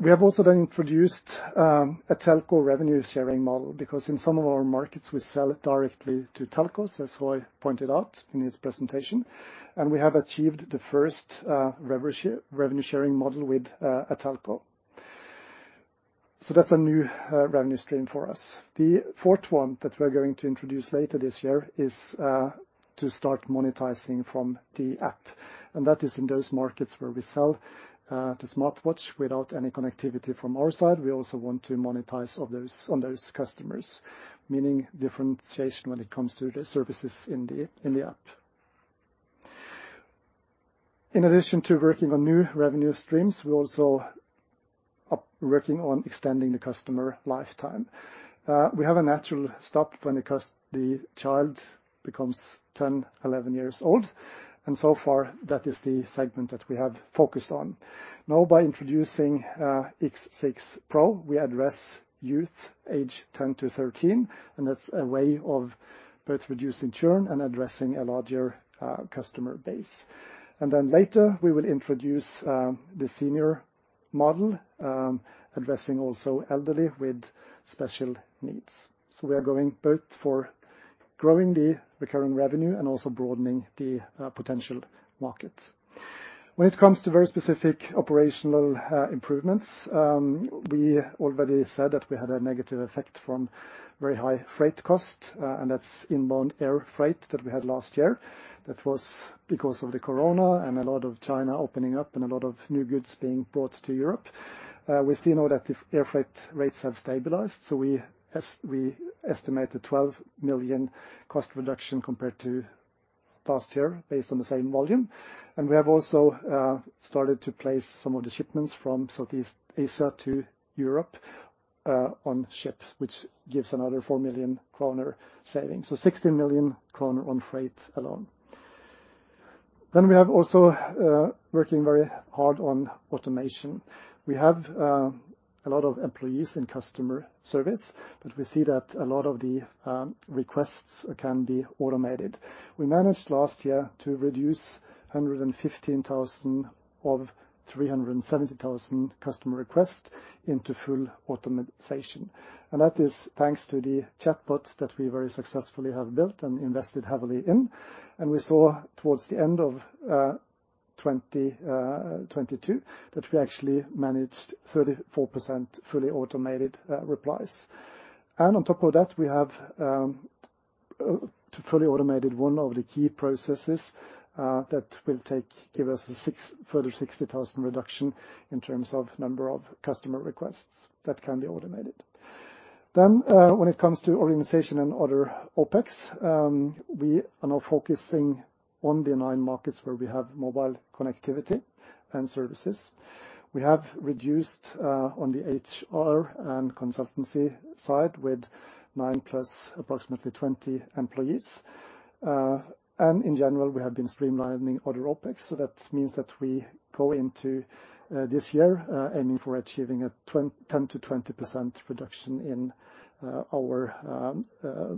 F: We have also then introduced a telco revenue-sharing model because in some of our markets, we sell it directly to telcos, as Roy pointed out in his presentation, and we have achieved the first revenue sharing model with a telco. That's a new revenue stream for us. The fourth one that we're going to introduce later this year is to start monetizing from the app. That is in those markets where we sell the smartwatch without any connectivity from our side. We also want to monetize on those customers, meaning differentiation when it comes to the services in the app. In addition to working on new revenue streams, we're also working on extending the customer lifetime. We have a natural stop when the child becomes 10, 11 years old, and so far, that is the segment that we have focused on. Now, by introducing X6 Pro, we address youth age 10 to 13, and that's a way of both reducing churn and addressing a larger customer base. Later, we will introduce the senior model, addressing also elderly with special needs. We are going both for growing the recurring revenue and also broadening the potential market. When it comes to very specific operational improvements, we already said that we had a negative effect from very high freight cost, and that's inbound air freight that we had last year. That was because of the corona and a lot of China opening up and a lot of new goods being brought to Europe. We see now that the air freight rates have stabilized, so we estimate a 12 million cost reduction compared to last year based on the same volume. We have also started to place some of the shipments from Southeast Asia to Europe on ships, which gives another 4 million kroner savings. 16 million kroner on freight alone. We have also working very hard on automation. We have a lot of employees in customer service, but we see that a lot of the requests can be automated. We managed last year to reduce 115,000 of 370,000 customer requests into full automatization. That is thanks to the chatbot that we very successfully have built and invested heavily in. We saw towards the end of 2022 that we actually managed 34% fully automated replies. On top of that, we have fully automated one of the key processes that will give us a further 60,000 reduction in terms of number of customer requests that can be automated. When it comes to organization and other OpEx, we are now focusing on the 9 markets where we have mobile connectivity and services. We have reduced on the HR and consultancy side with 9 plus approximately 20 employees. In general, we have been streamlining other OpEx. That means that we go into this year, aiming for achieving a 10%-20% reduction in our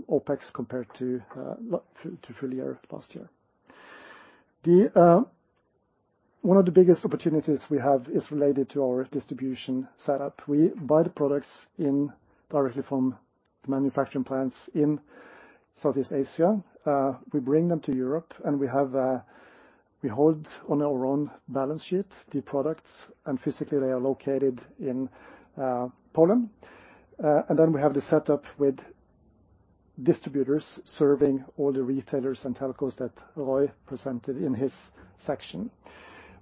F: OpEx compared to full year last year. The one of the biggest opportunities we have is related to our distribution setup. We buy the products in directly from manufacturing plants in Southeast Asia. We bring them to Europe, and we have, we hold on our own balance sheet the products, and physically they are located in Poland. Then we have the setup with distributors serving all the retailers and telcos that Roy presented in his section.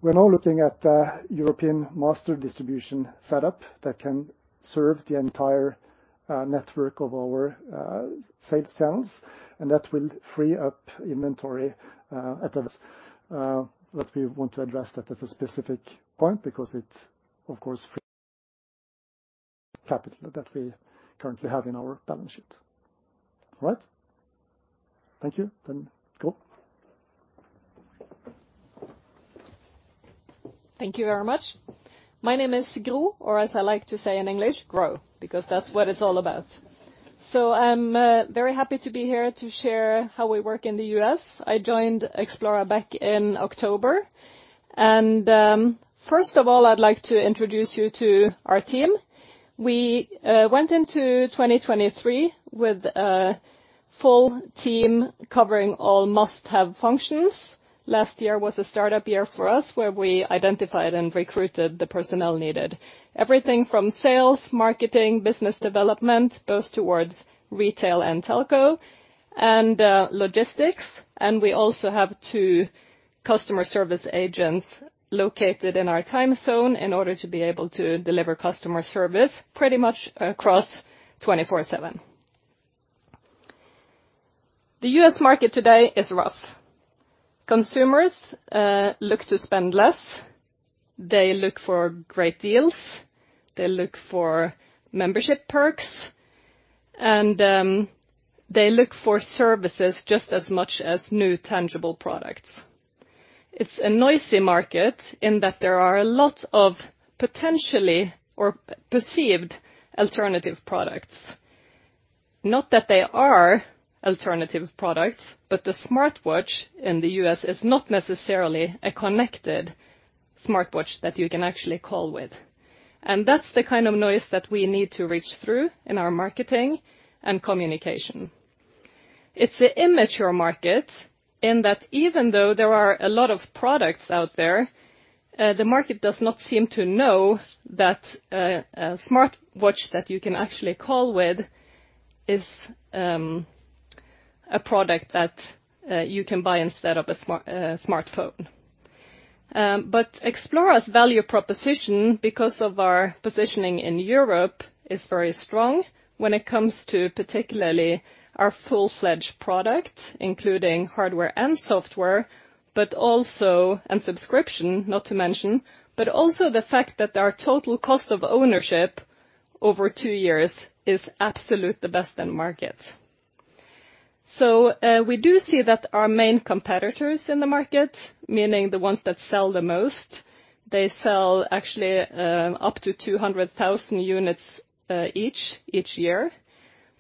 F: We're now looking at a European master distribution setup that can serve the entire network of our sales channels, and that will free up inventory at those that we want to address that as a specific point because it, of course, free capital that we currently have in our balance sheet. All right. Thank you. Gro.
G: Thank you very much. My name is Gro, or as I like to say in English, Gro, because that's what it's all about. I'm very happy to be here to share how we work in the U.S. I joined Xplora back in October. First of all, I'd like to introduce you to our team. We went into 2023 with a full team covering all must-have functions. Last year was a startup year for us where we identified and recruited the personnel needed. Everything from sales, marketing, business development, both towards retail and telco, and logistics. We also have 2 customer service agents located in our time zone in order to be able to deliver customer service pretty much across 24/7. The U.S. market today is rough. Consumers look to spend less, they look for great deals, they look for membership perks, they look for services just as much as new tangible products. It's a noisy market in that there are a lot of potentially or perceived alternative products. Not that they are alternative products, the smartwatch in the U.S. is not necessarily a connected smartwatch that you can actually call with. That's the kind of noise that we need to reach through in our marketing and communication. It's an immature market in that even though there are a lot of products out there, the market does not seem to know that a smartwatch that you can actually call with is a product that you can buy instead of a smartphone. Xplora's value proposition, because of our positioning in Europe, is very strong when it comes to particularly our full-fledged product, including hardware and software, but also and subscription, not to mention, but also the fact that our total cost of ownership over two years is absolute the best in market. We do see that our main competitors in the market, meaning the ones that sell the most, they sell actually up to 200,000 units each year,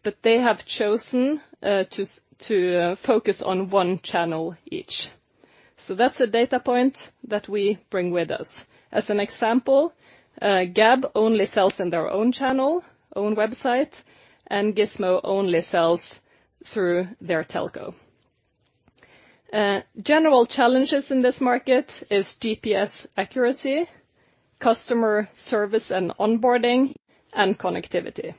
G: but they have chosen to focus on one channel each. That's a data point that we bring with us. As an example, Gabb only sells in their own channel, own website, and Gizmo only sells through their telco. General challenges in this market is GPS accuracy, customer service and onboarding, and connectivity.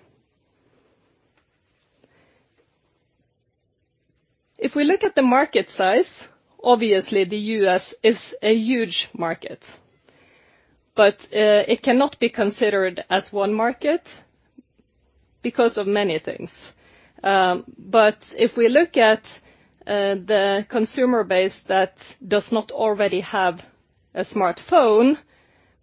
G: If we look at the market size, obviously, the U.S. is a huge market, but it cannot be considered as one market because of many things. If we look at the consumer base that does not already have a smartphone,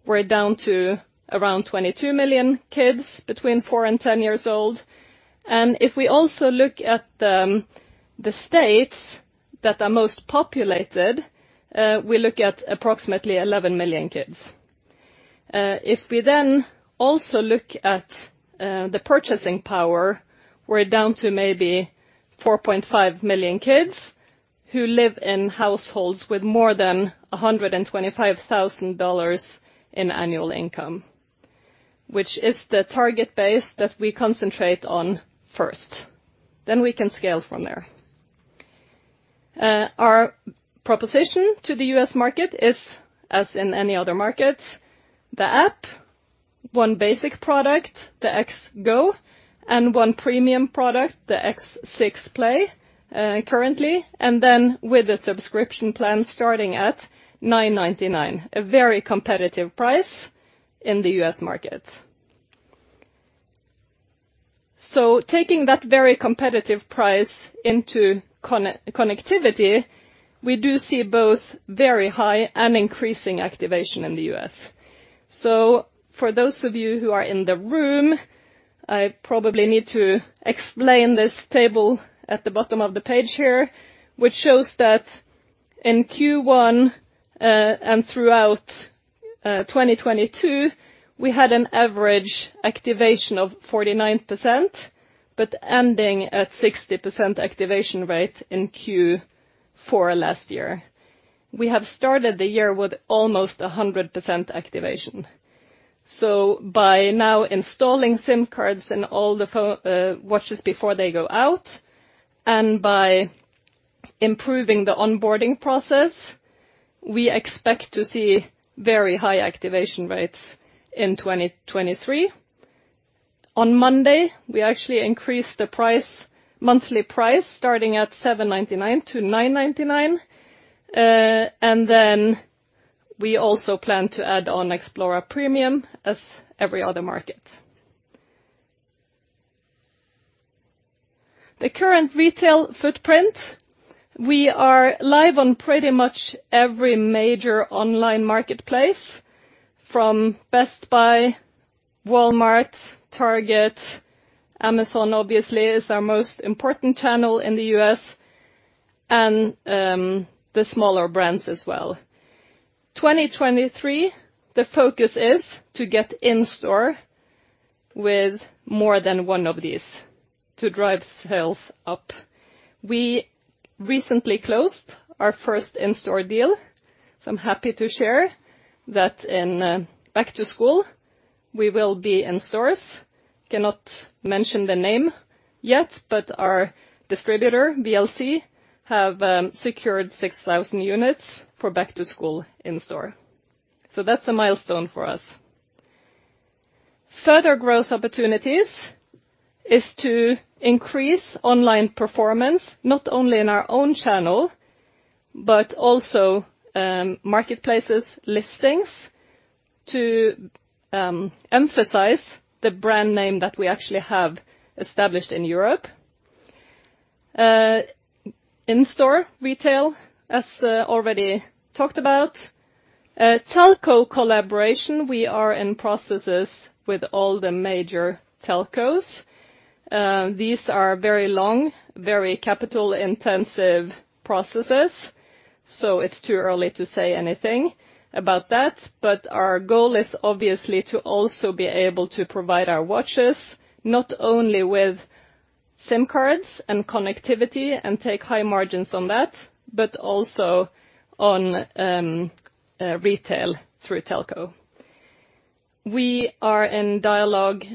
G: we're down to around 22 million kids between 4 and 10 years old. If we also look at the states that are most populated, we look at approximately 11 million kids. If we then also look at the purchasing power, we're down to maybe 4.5 million kids who live in households with more than $125,000 in annual income. Which is the target base that we concentrate on first, then we can scale from there. Our proposition to the U.S. market is, as in any other markets, the app, one basic product, the XGO3, and one premium product, the X6Play, currently, and then with a subscription plan starting at $9.99. A very competitive price in the U.S. market. Taking that very competitive price into connectivity, we do see both very high and increasing activation in the U.S. For those of you who are in the room, I probably need to explain this table at the bottom of the page here, which shows that in Q1 and throughout 2022, we had an average activation of 49%, but ending at 60% activation rate in Q4 last year. We have started the year with almost 100% activation. By now installing SIM cards in all the watches before they go out, and by improving the onboarding process, we expect to see very high activation rates in 2023. On Monday, we actually increased the price, monthly price, starting at $7.99 to $9.99. We also plan to add on Xplora Premium as every other market. The current retail footprint, we are live on pretty much every major online marketplace, from Best Buy, Walmart, Target. Amazon, obviously, is our most important channel in the U.S., the smaller brands as well. 2023, the focus is to get in-store with more than one of these to drive sales up. We recently closed our first in-store deal, I'm happy to share that in back to school, we will be in stores. Cannot mention the name yet, but our distributor, VLC, have secured 6,000 units for back to school in-store. That's a milestone for us. Further growth opportunities is to increase online performance, not only in our own channel, but also marketplaces listings to emphasize the brand name that we actually have established in Europe. In-store retail, as already talked about. Telco collaboration, we are in processes with all the major telcos. These are very long, very capital-intensive processes, so it's too early to say anything about that. Our goal is obviously to also be able to provide our watches not only with SIM cards and connectivity and take high margins on that, but also on retail through telco. We are in dialogue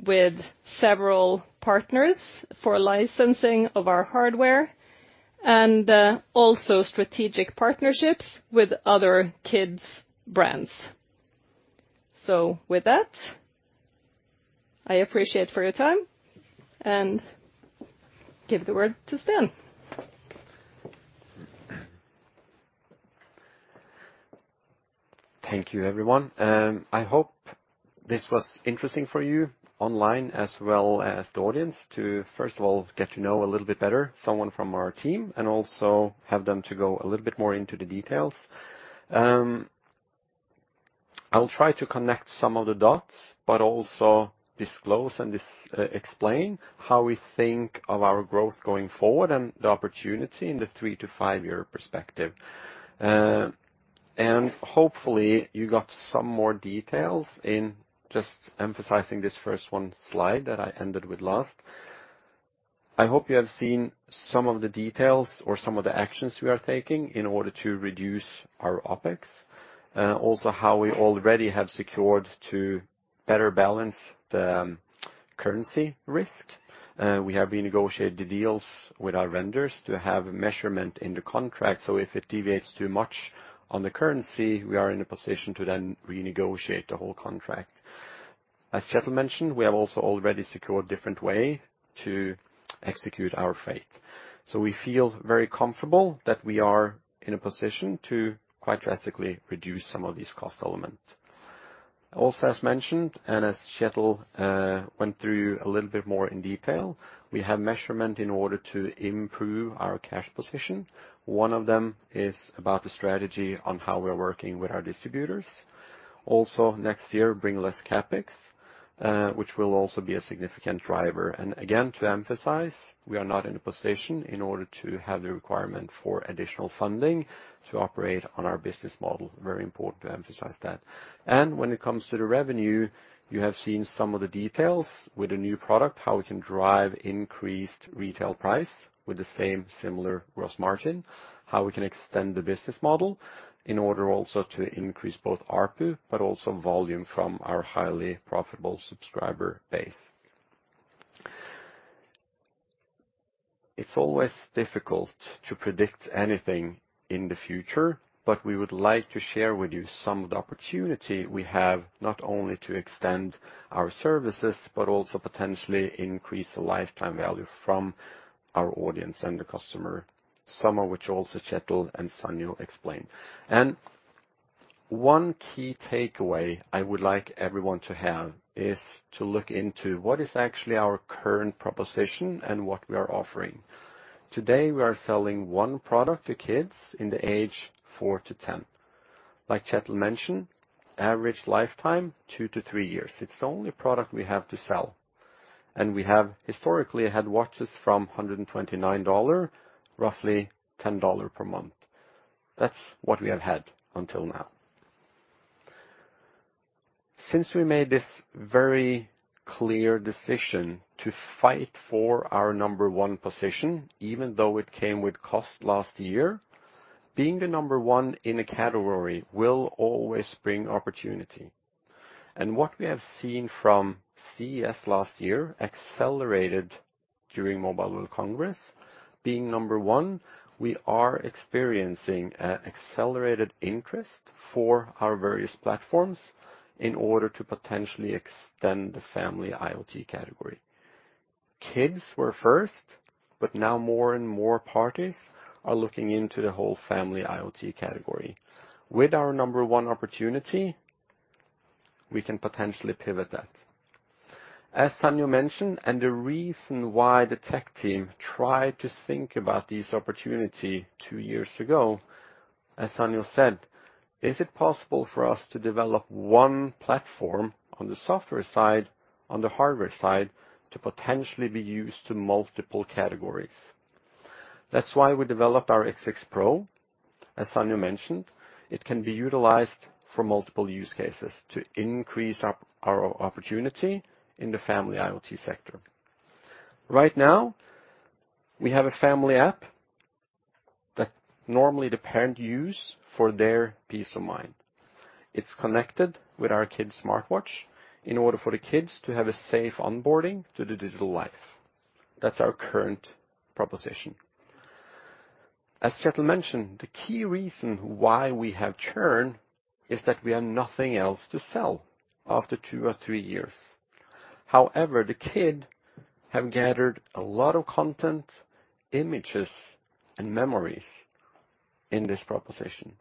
G: with several partners for licensing of our hardware and also strategic partnerships with other kids' brands. With that, I appreciate for your time and give the word to Sten.
A: Thank you, everyone. I hope this was interesting for you online as well as the audience to, first of all, get to know a little bit better someone from our team and also have them to go a little bit more into the details. I'll try to connect some of the dots, but also disclose and explain how we think of our growth going forward and the opportunity in the three to five-year perspective. Hopefully, you got some more details in just emphasizing this first one slide that I ended with last. I hope you have seen some of the details or some of the actions we are taking in order to reduce our OpEx. Also how we already have secured to better balance the currency risk. We have renegotiated the deals with our vendors to have measurement in the contract. If it deviates too much on the currency, we are in a position to then renegotiate the whole contract. As Kjetil mentioned, we have also already secured different way to execute our fate. We feel very comfortable that we are in a position to quite drastically reduce some of these cost elements. As mentioned, and as Kjetil went through a little bit more in detail, we have measurement in order to improve our cash position. One of them is about the strategy on how we are working with our distributors. Next year bring less CapEx, which will also be a significant driver. Again, to emphasize, we are not in a position in order to have the requirement for additional funding to operate on our business model. Very important to emphasize that. When it comes to the revenue, you have seen some of the details with the new product, how we can drive increased retail price with the same similar gross margin, how we can extend the business model in order also to increase both ARPU, but also volume from our highly profitable subscriber base. It's always difficult to predict anything in the future, but we would like to share with you some of the opportunity we have, not only to extend our services, but also potentially increase the lifetime value from our audience and the customer, some of which also Kjetil and Sanghyo explain. One key takeaway I would like everyone to have is to look into what is actually our current proposition and what we are offering. Today, we are selling one product to kids in the age 4 to 10. Like Kjetil mentioned, average lifetime, 2-3 years. It's the only product we have to sell. We have historically had watches from $129, roughly $10 per month. That's what we have had until now. Since we made this very clear decision to fight for our number 1 position, even though it came with cost last year, being the number 1 in a category will always bring opportunity. What we have seen from CES last year accelerated during Mobile World Congress, being number 1, we are experiencing an accelerated interest for our various platforms in order to potentially extend the family IoT category. Kids were first, but now more and more parties are looking into the whole family IoT category. With our number 1 opportunity, we can potentially pivot that. As Sonju mentioned, the reason why the tech team tried to think about this opportunity two years ago, as Sonju said, Is it possible for us to develop one platform on the software side, on the hardware side, to potentially be used to multiple categories? That's why we developed our X6 Pro. As Sonju mentioned, it can be utilized for multiple use cases to increase our opportunity in the family IoT sector. Right now, we have a family app that normally the parent use for their peace of mind. It's connected with our kids smartwatch in order for the kids to have a safe onboarding to the digital life. That's our current proposition. As Kjetil mentioned, the key reason why we have churn is that we have nothing else to sell after two or three years. The kid have gathered a lot of content, images, and memories in this proposition.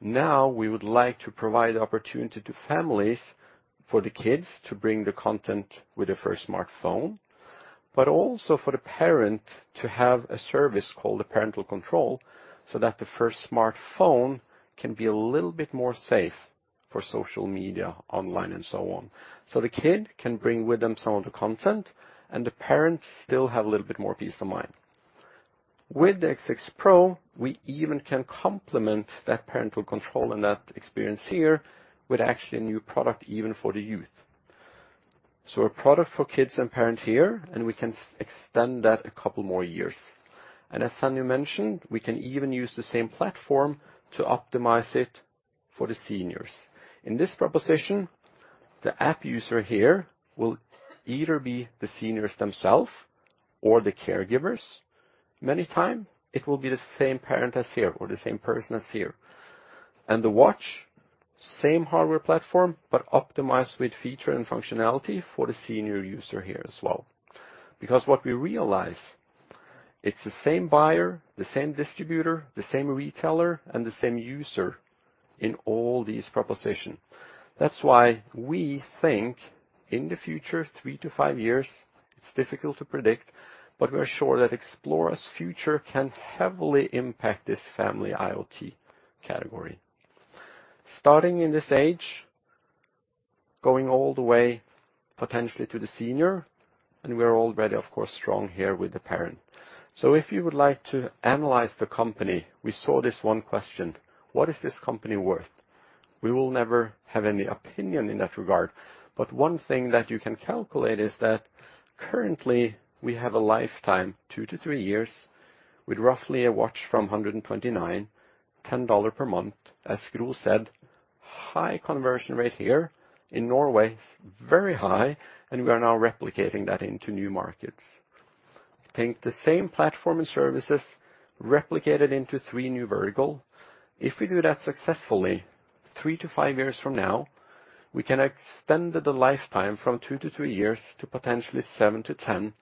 A: We would like to provide the opportunity to families for the kids to bring the content with their first smartphone, but also for the parent to have a service called the parental control, so that the first smartphone can be a little bit more safe for social media, online and so on. The kid can bring with them some of the content, and the parents still have a little bit more peace of mind. With the X6 Pro, we even can complement that parental control and that experience here with actually a new product even for the youth. A product for kids and parent here, and we can extend that a couple more years. As Sanghyo Kim mentioned, we can even use the same platform to optimize it for the seniors. In this proposition, the app user here will either be the seniors themselves or the caregivers. Many time, it will be the same parent as here or the same person as here. The watch, same hardware platform, but optimized with feature and functionality for the senior user here as well. What we realize, it's the same buyer, the same distributor, the same retailer, and the same user in all these proposition. That's why we think in the future, 3 to 5 years, it's difficult to predict, but we're sure that Xplora's future can heavily impact this family IoT category. Starting in this age, going all the way potentially to the senior, and we're already, of course, strong here with the parent. If you would like to analyze the company, we saw this one question: What is this company worth? We will never have any opinion in that regard. One thing that you can calculate is that currently we have a lifetime, 2-3 years, with roughly a watch from $129, $10 per month. As Gro said, high conversion rate here. In Norway, it's very high, and we are now replicating that into new markets. Take the same platform and services replicated into 3 new vertical. If we do that successfully, 3-5 years from now, we can extend the lifetime from 2-3 years to potentially 7-10,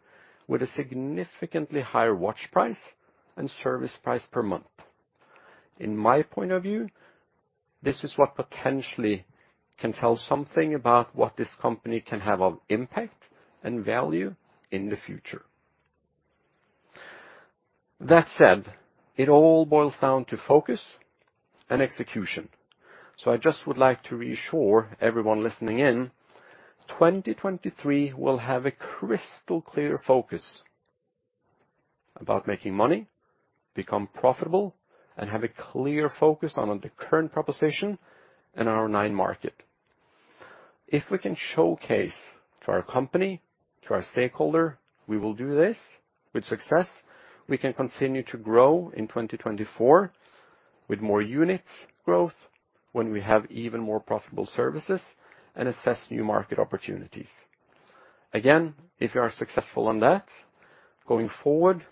A: with a significantly higher watch price and service price per month. In my point of view, this is what potentially can tell something about what this company can have of impact and value in the future. That said, it all boils down to focus and execution. I just would like to reassure everyone listening in, 2023 will have a crystal clear focus about making money, become profitable, and have a clear focus on the current proposition in our 9 market. If we can showcase to our company, to our stakeholder, we will do this. With success, we can continue to grow in 2024. With more units growth when we have even more profitable services and assess new market opportunities. If you are successful on that, going forward,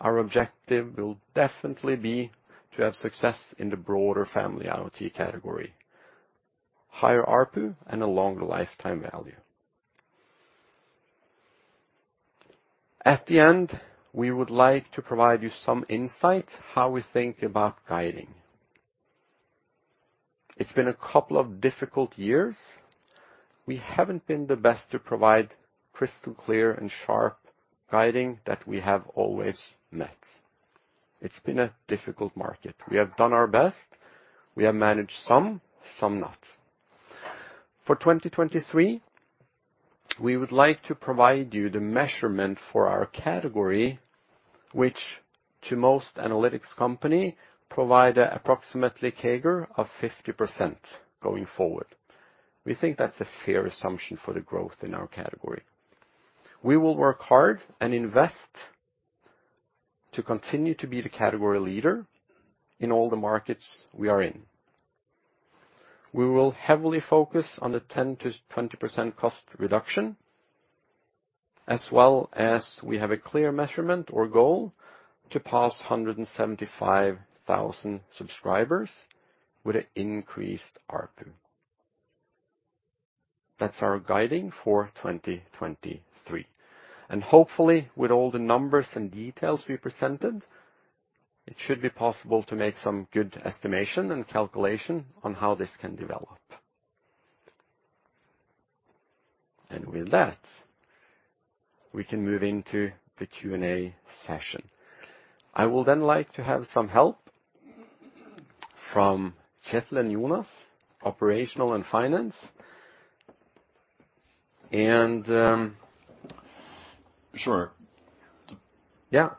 A: our objective will definitely be to have success in the broader family IoT category, higher ARPU, and a longer lifetime value. At the end, we would like to provide you some insight how we think about guiding. It's been a couple of difficult years. We haven't been the best to provide crystal clear and sharp guiding that we have always met. It's been a difficult market. We have done our best. We have managed some not. For 2023, we would like to provide you the measurement for our category, which to most analytics company provide approximately CAGR of 50% going forward. We think that's a fair assumption for the growth in our category. We will work hard and invest to continue to be the category leader in all the markets we are in. We will heavily focus on the 10%-20% cost reduction, as well as we have a clear measurement or goal to pass 175,000 subscribers with an increased ARPU. That's our guiding for 2023. Hopefully, with all the numbers and details we presented, it should be possible to make some good estimation and calculation on how this can develop. With that, we can move into the Q&A session. I will then like to have some help from Kjetil and Jonas, operational and finance.
F: Sure.
A: Yeah.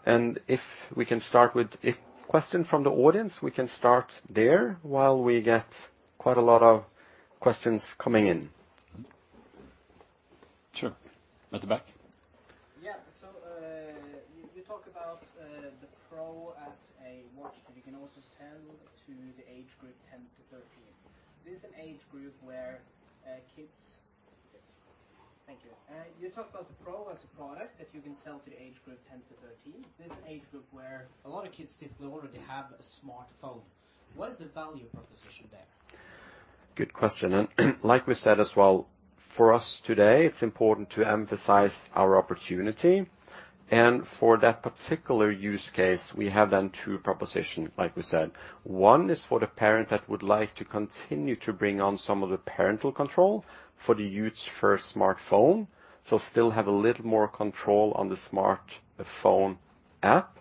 A: If we can start with a question from the audience, we can start there while we get quite a lot of questions coming in.
F: Sure. At the back.
H: Yeah. You talk about the Pro as a product that you can sell to the age group 10 to 13. This is an age group where a lot of kids did already have a smartphone. What is the value proposition there?
A: Good question. Like we said as well, for us today, it's important to emphasize our opportunity. For that particular use case, we have then two proposition, like we said. One is for the parent that would like to continue to bring on some of the parental control for the youth's first smartphone. Still have a little more control on the smartphone app,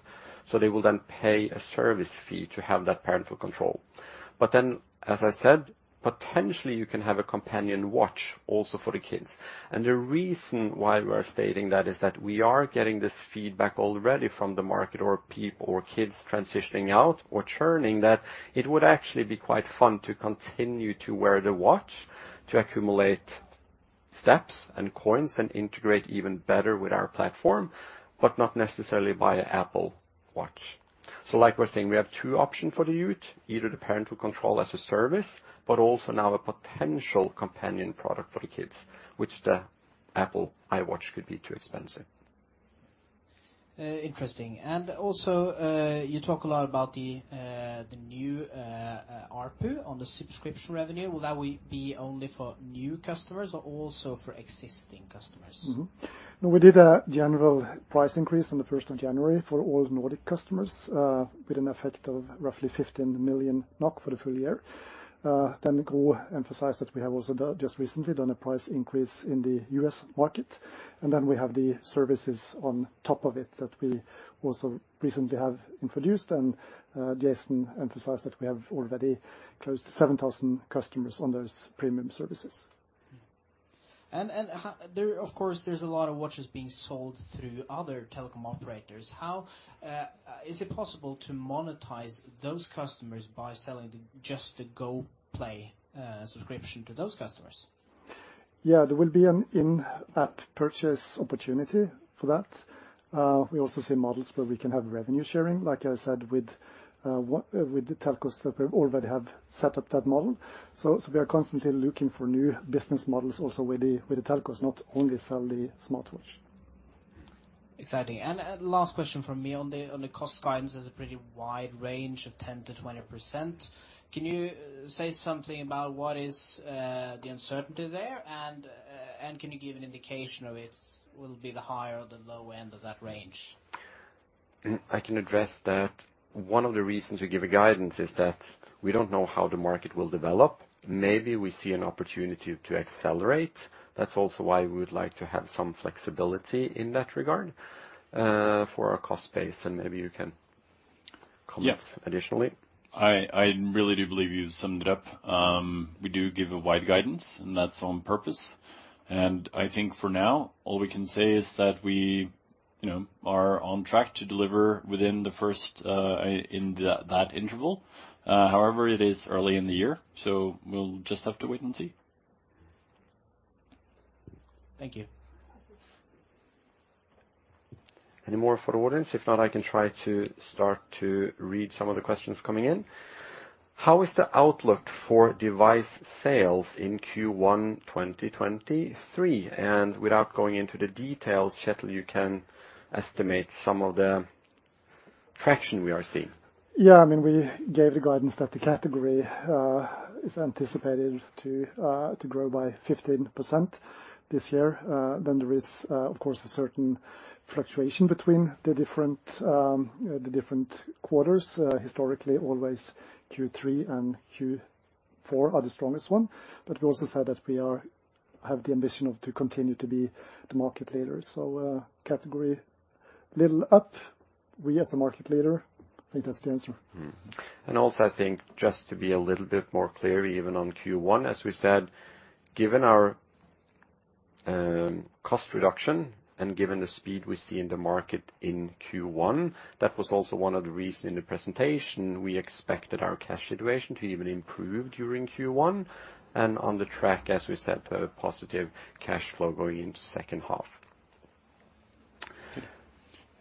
A: they will then pay a service fee to have that parental control. As I said, potentially you can have a companion watch also for the kids. The reason why we are stating that is that we are getting this feedback already from the market or kids transitioning out or churning that it would actually be quite fun to continue to wear the watch to accumulate steps and coins and integrate even better with our platform, but not necessarily buy a Apple Watch. Like we're saying, we have two option for the youth, either the parental control as a service, but also now a potential companion product for the kids, which the Apple Watch could be too expensive.
H: Interesting. You talk a lot about the new ARPU on the subscription revenue. Will that be only for new customers or also for existing customers?
F: No, we did a general price increase on the first of January for all Nordic customers, with an effect of roughly 15 million NOK for the full year. Gro emphasized that we have also done, just recently done a price increase in the U.S. market, and then we have the services on top of it that we also recently have introduced. Jason emphasized that we have already close to 7,000 customers on those premium services.
H: There, of course, there's a lot of watches being sold through other telecom operators. How is it possible to monetize those customers by selling just the Goplay subscription to those customers?
F: Yeah, there will be an in-app purchase opportunity for that. We also see models where we can have revenue sharing, like I said, with the telcos that we already have set up that model. We are constantly looking for new business models also with the, with the telcos, not only sell the smartwatch.
H: Exciting. Last question from me. On the cost guidance, there's a pretty wide range of 10%-20%. Can you say something about what is the uncertainty there? And can you give an indication of it will be the high or the low end of that range?
A: I can address that. One of the reasons we give a guidance is that we don't know how the market will develop. Maybe we see an opportunity to accelerate. That's also why we would like to have some flexibility in that regard, for our cost base. Maybe you can comment-
F: Yeah.
A: -additionally.
F: I really do believe you summed it up. We do give a wide guidance, and that's on purpose. I think for now, all we can say is that we, you know, are on track to deliver within the first in that interval. However, it is early in the year, so we'll just have to wait and see.
H: Thank you.
A: Any more for the audience? If not, I can try to start to read some of the questions coming in. How is the outlook for device sales in Q1 2023? Without going into the details, Kjetil, you can estimate some of the traction we are seeing.
F: I mean, we gave the guidance that the category is anticipated to grow by 15% this year. There is, of course, a certain fluctuation between the different quarters. Historically, always Q3 and Q4 are the strongest one. We also said that we have the ambition of to continue to be the market leader. Category little up, we as a market leader, I think that's the answer.
A: Mm-hmm.
B: Also, I think just to be a little bit more clear, even on Q1, as we said, given our cost reduction and given the speed we see in the market in Q1, that was also one of the reason in the presentation, we expected our cash situation to even improve during Q1 and on the track, as we said, a positive cash flow going into second half.
A: Okay.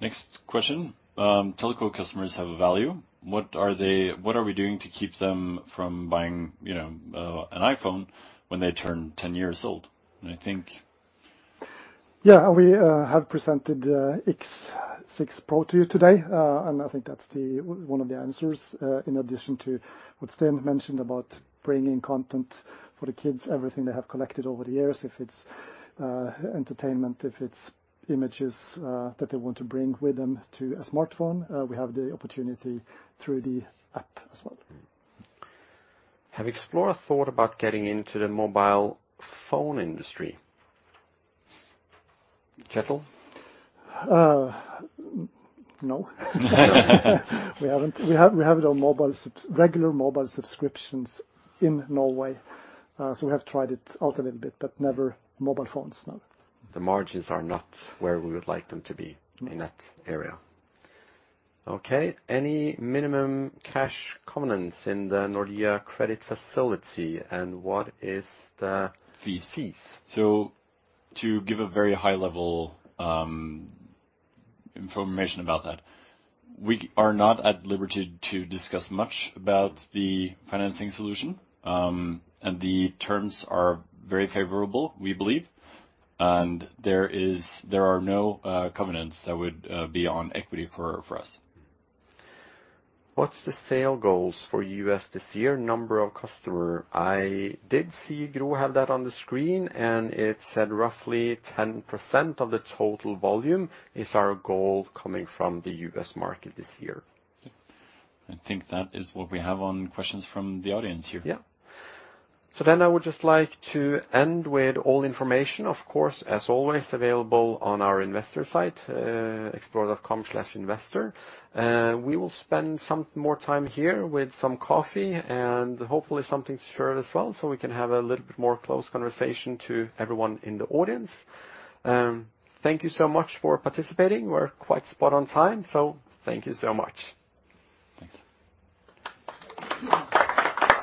B: Next question. Telco customers have a value. What are we doing to keep them from buying, you know, an iPhone when they turn 10 years old? I think...
F: We have presented X6 Pro to you today. I think that's one of the answers, in addition to what Sten mentioned about bringing content for the kids, everything they have collected over the years, if it's entertainment, if it's images, that they want to bring with them to a smartphone, we have the opportunity through the app as well.
A: Have Xplora thought about getting into the mobile phone industry? Kjetil.
F: No. We haven't. We have it on regular mobile subscriptions in Norway. We have tried it out a little bit, but never mobile phones, no.
A: The margins are not where we would like them to be.
F: No.
A: in that area. Okay. Any minimum cash covenants in the Nordea credit facility? What is the-
B: Fees.
A: -fees?
B: To give a very high level information about that, we are not at liberty to discuss much about the financing solution. The terms are very favorable, we believe. There are no covenants that would be on equity for us.
A: What's the sale goals for U.S. this year? Number of customer. I did see Gro have that on the screen, and it said roughly 10% of the total volume is our goal coming from the U.S. market this year.
B: Yeah. I think that is what we have on questions from the audience here.
A: Yeah. I would just like to end with all information, of course, as always available on our investor site, Xplora.com/investor. We will spend some more time here with some coffee and hopefully something to share as well, we can have a little bit more close conversation to everyone in the audience. Thank you so much for participating. We're quite spot on time. Thank you so much.
B: Thanks.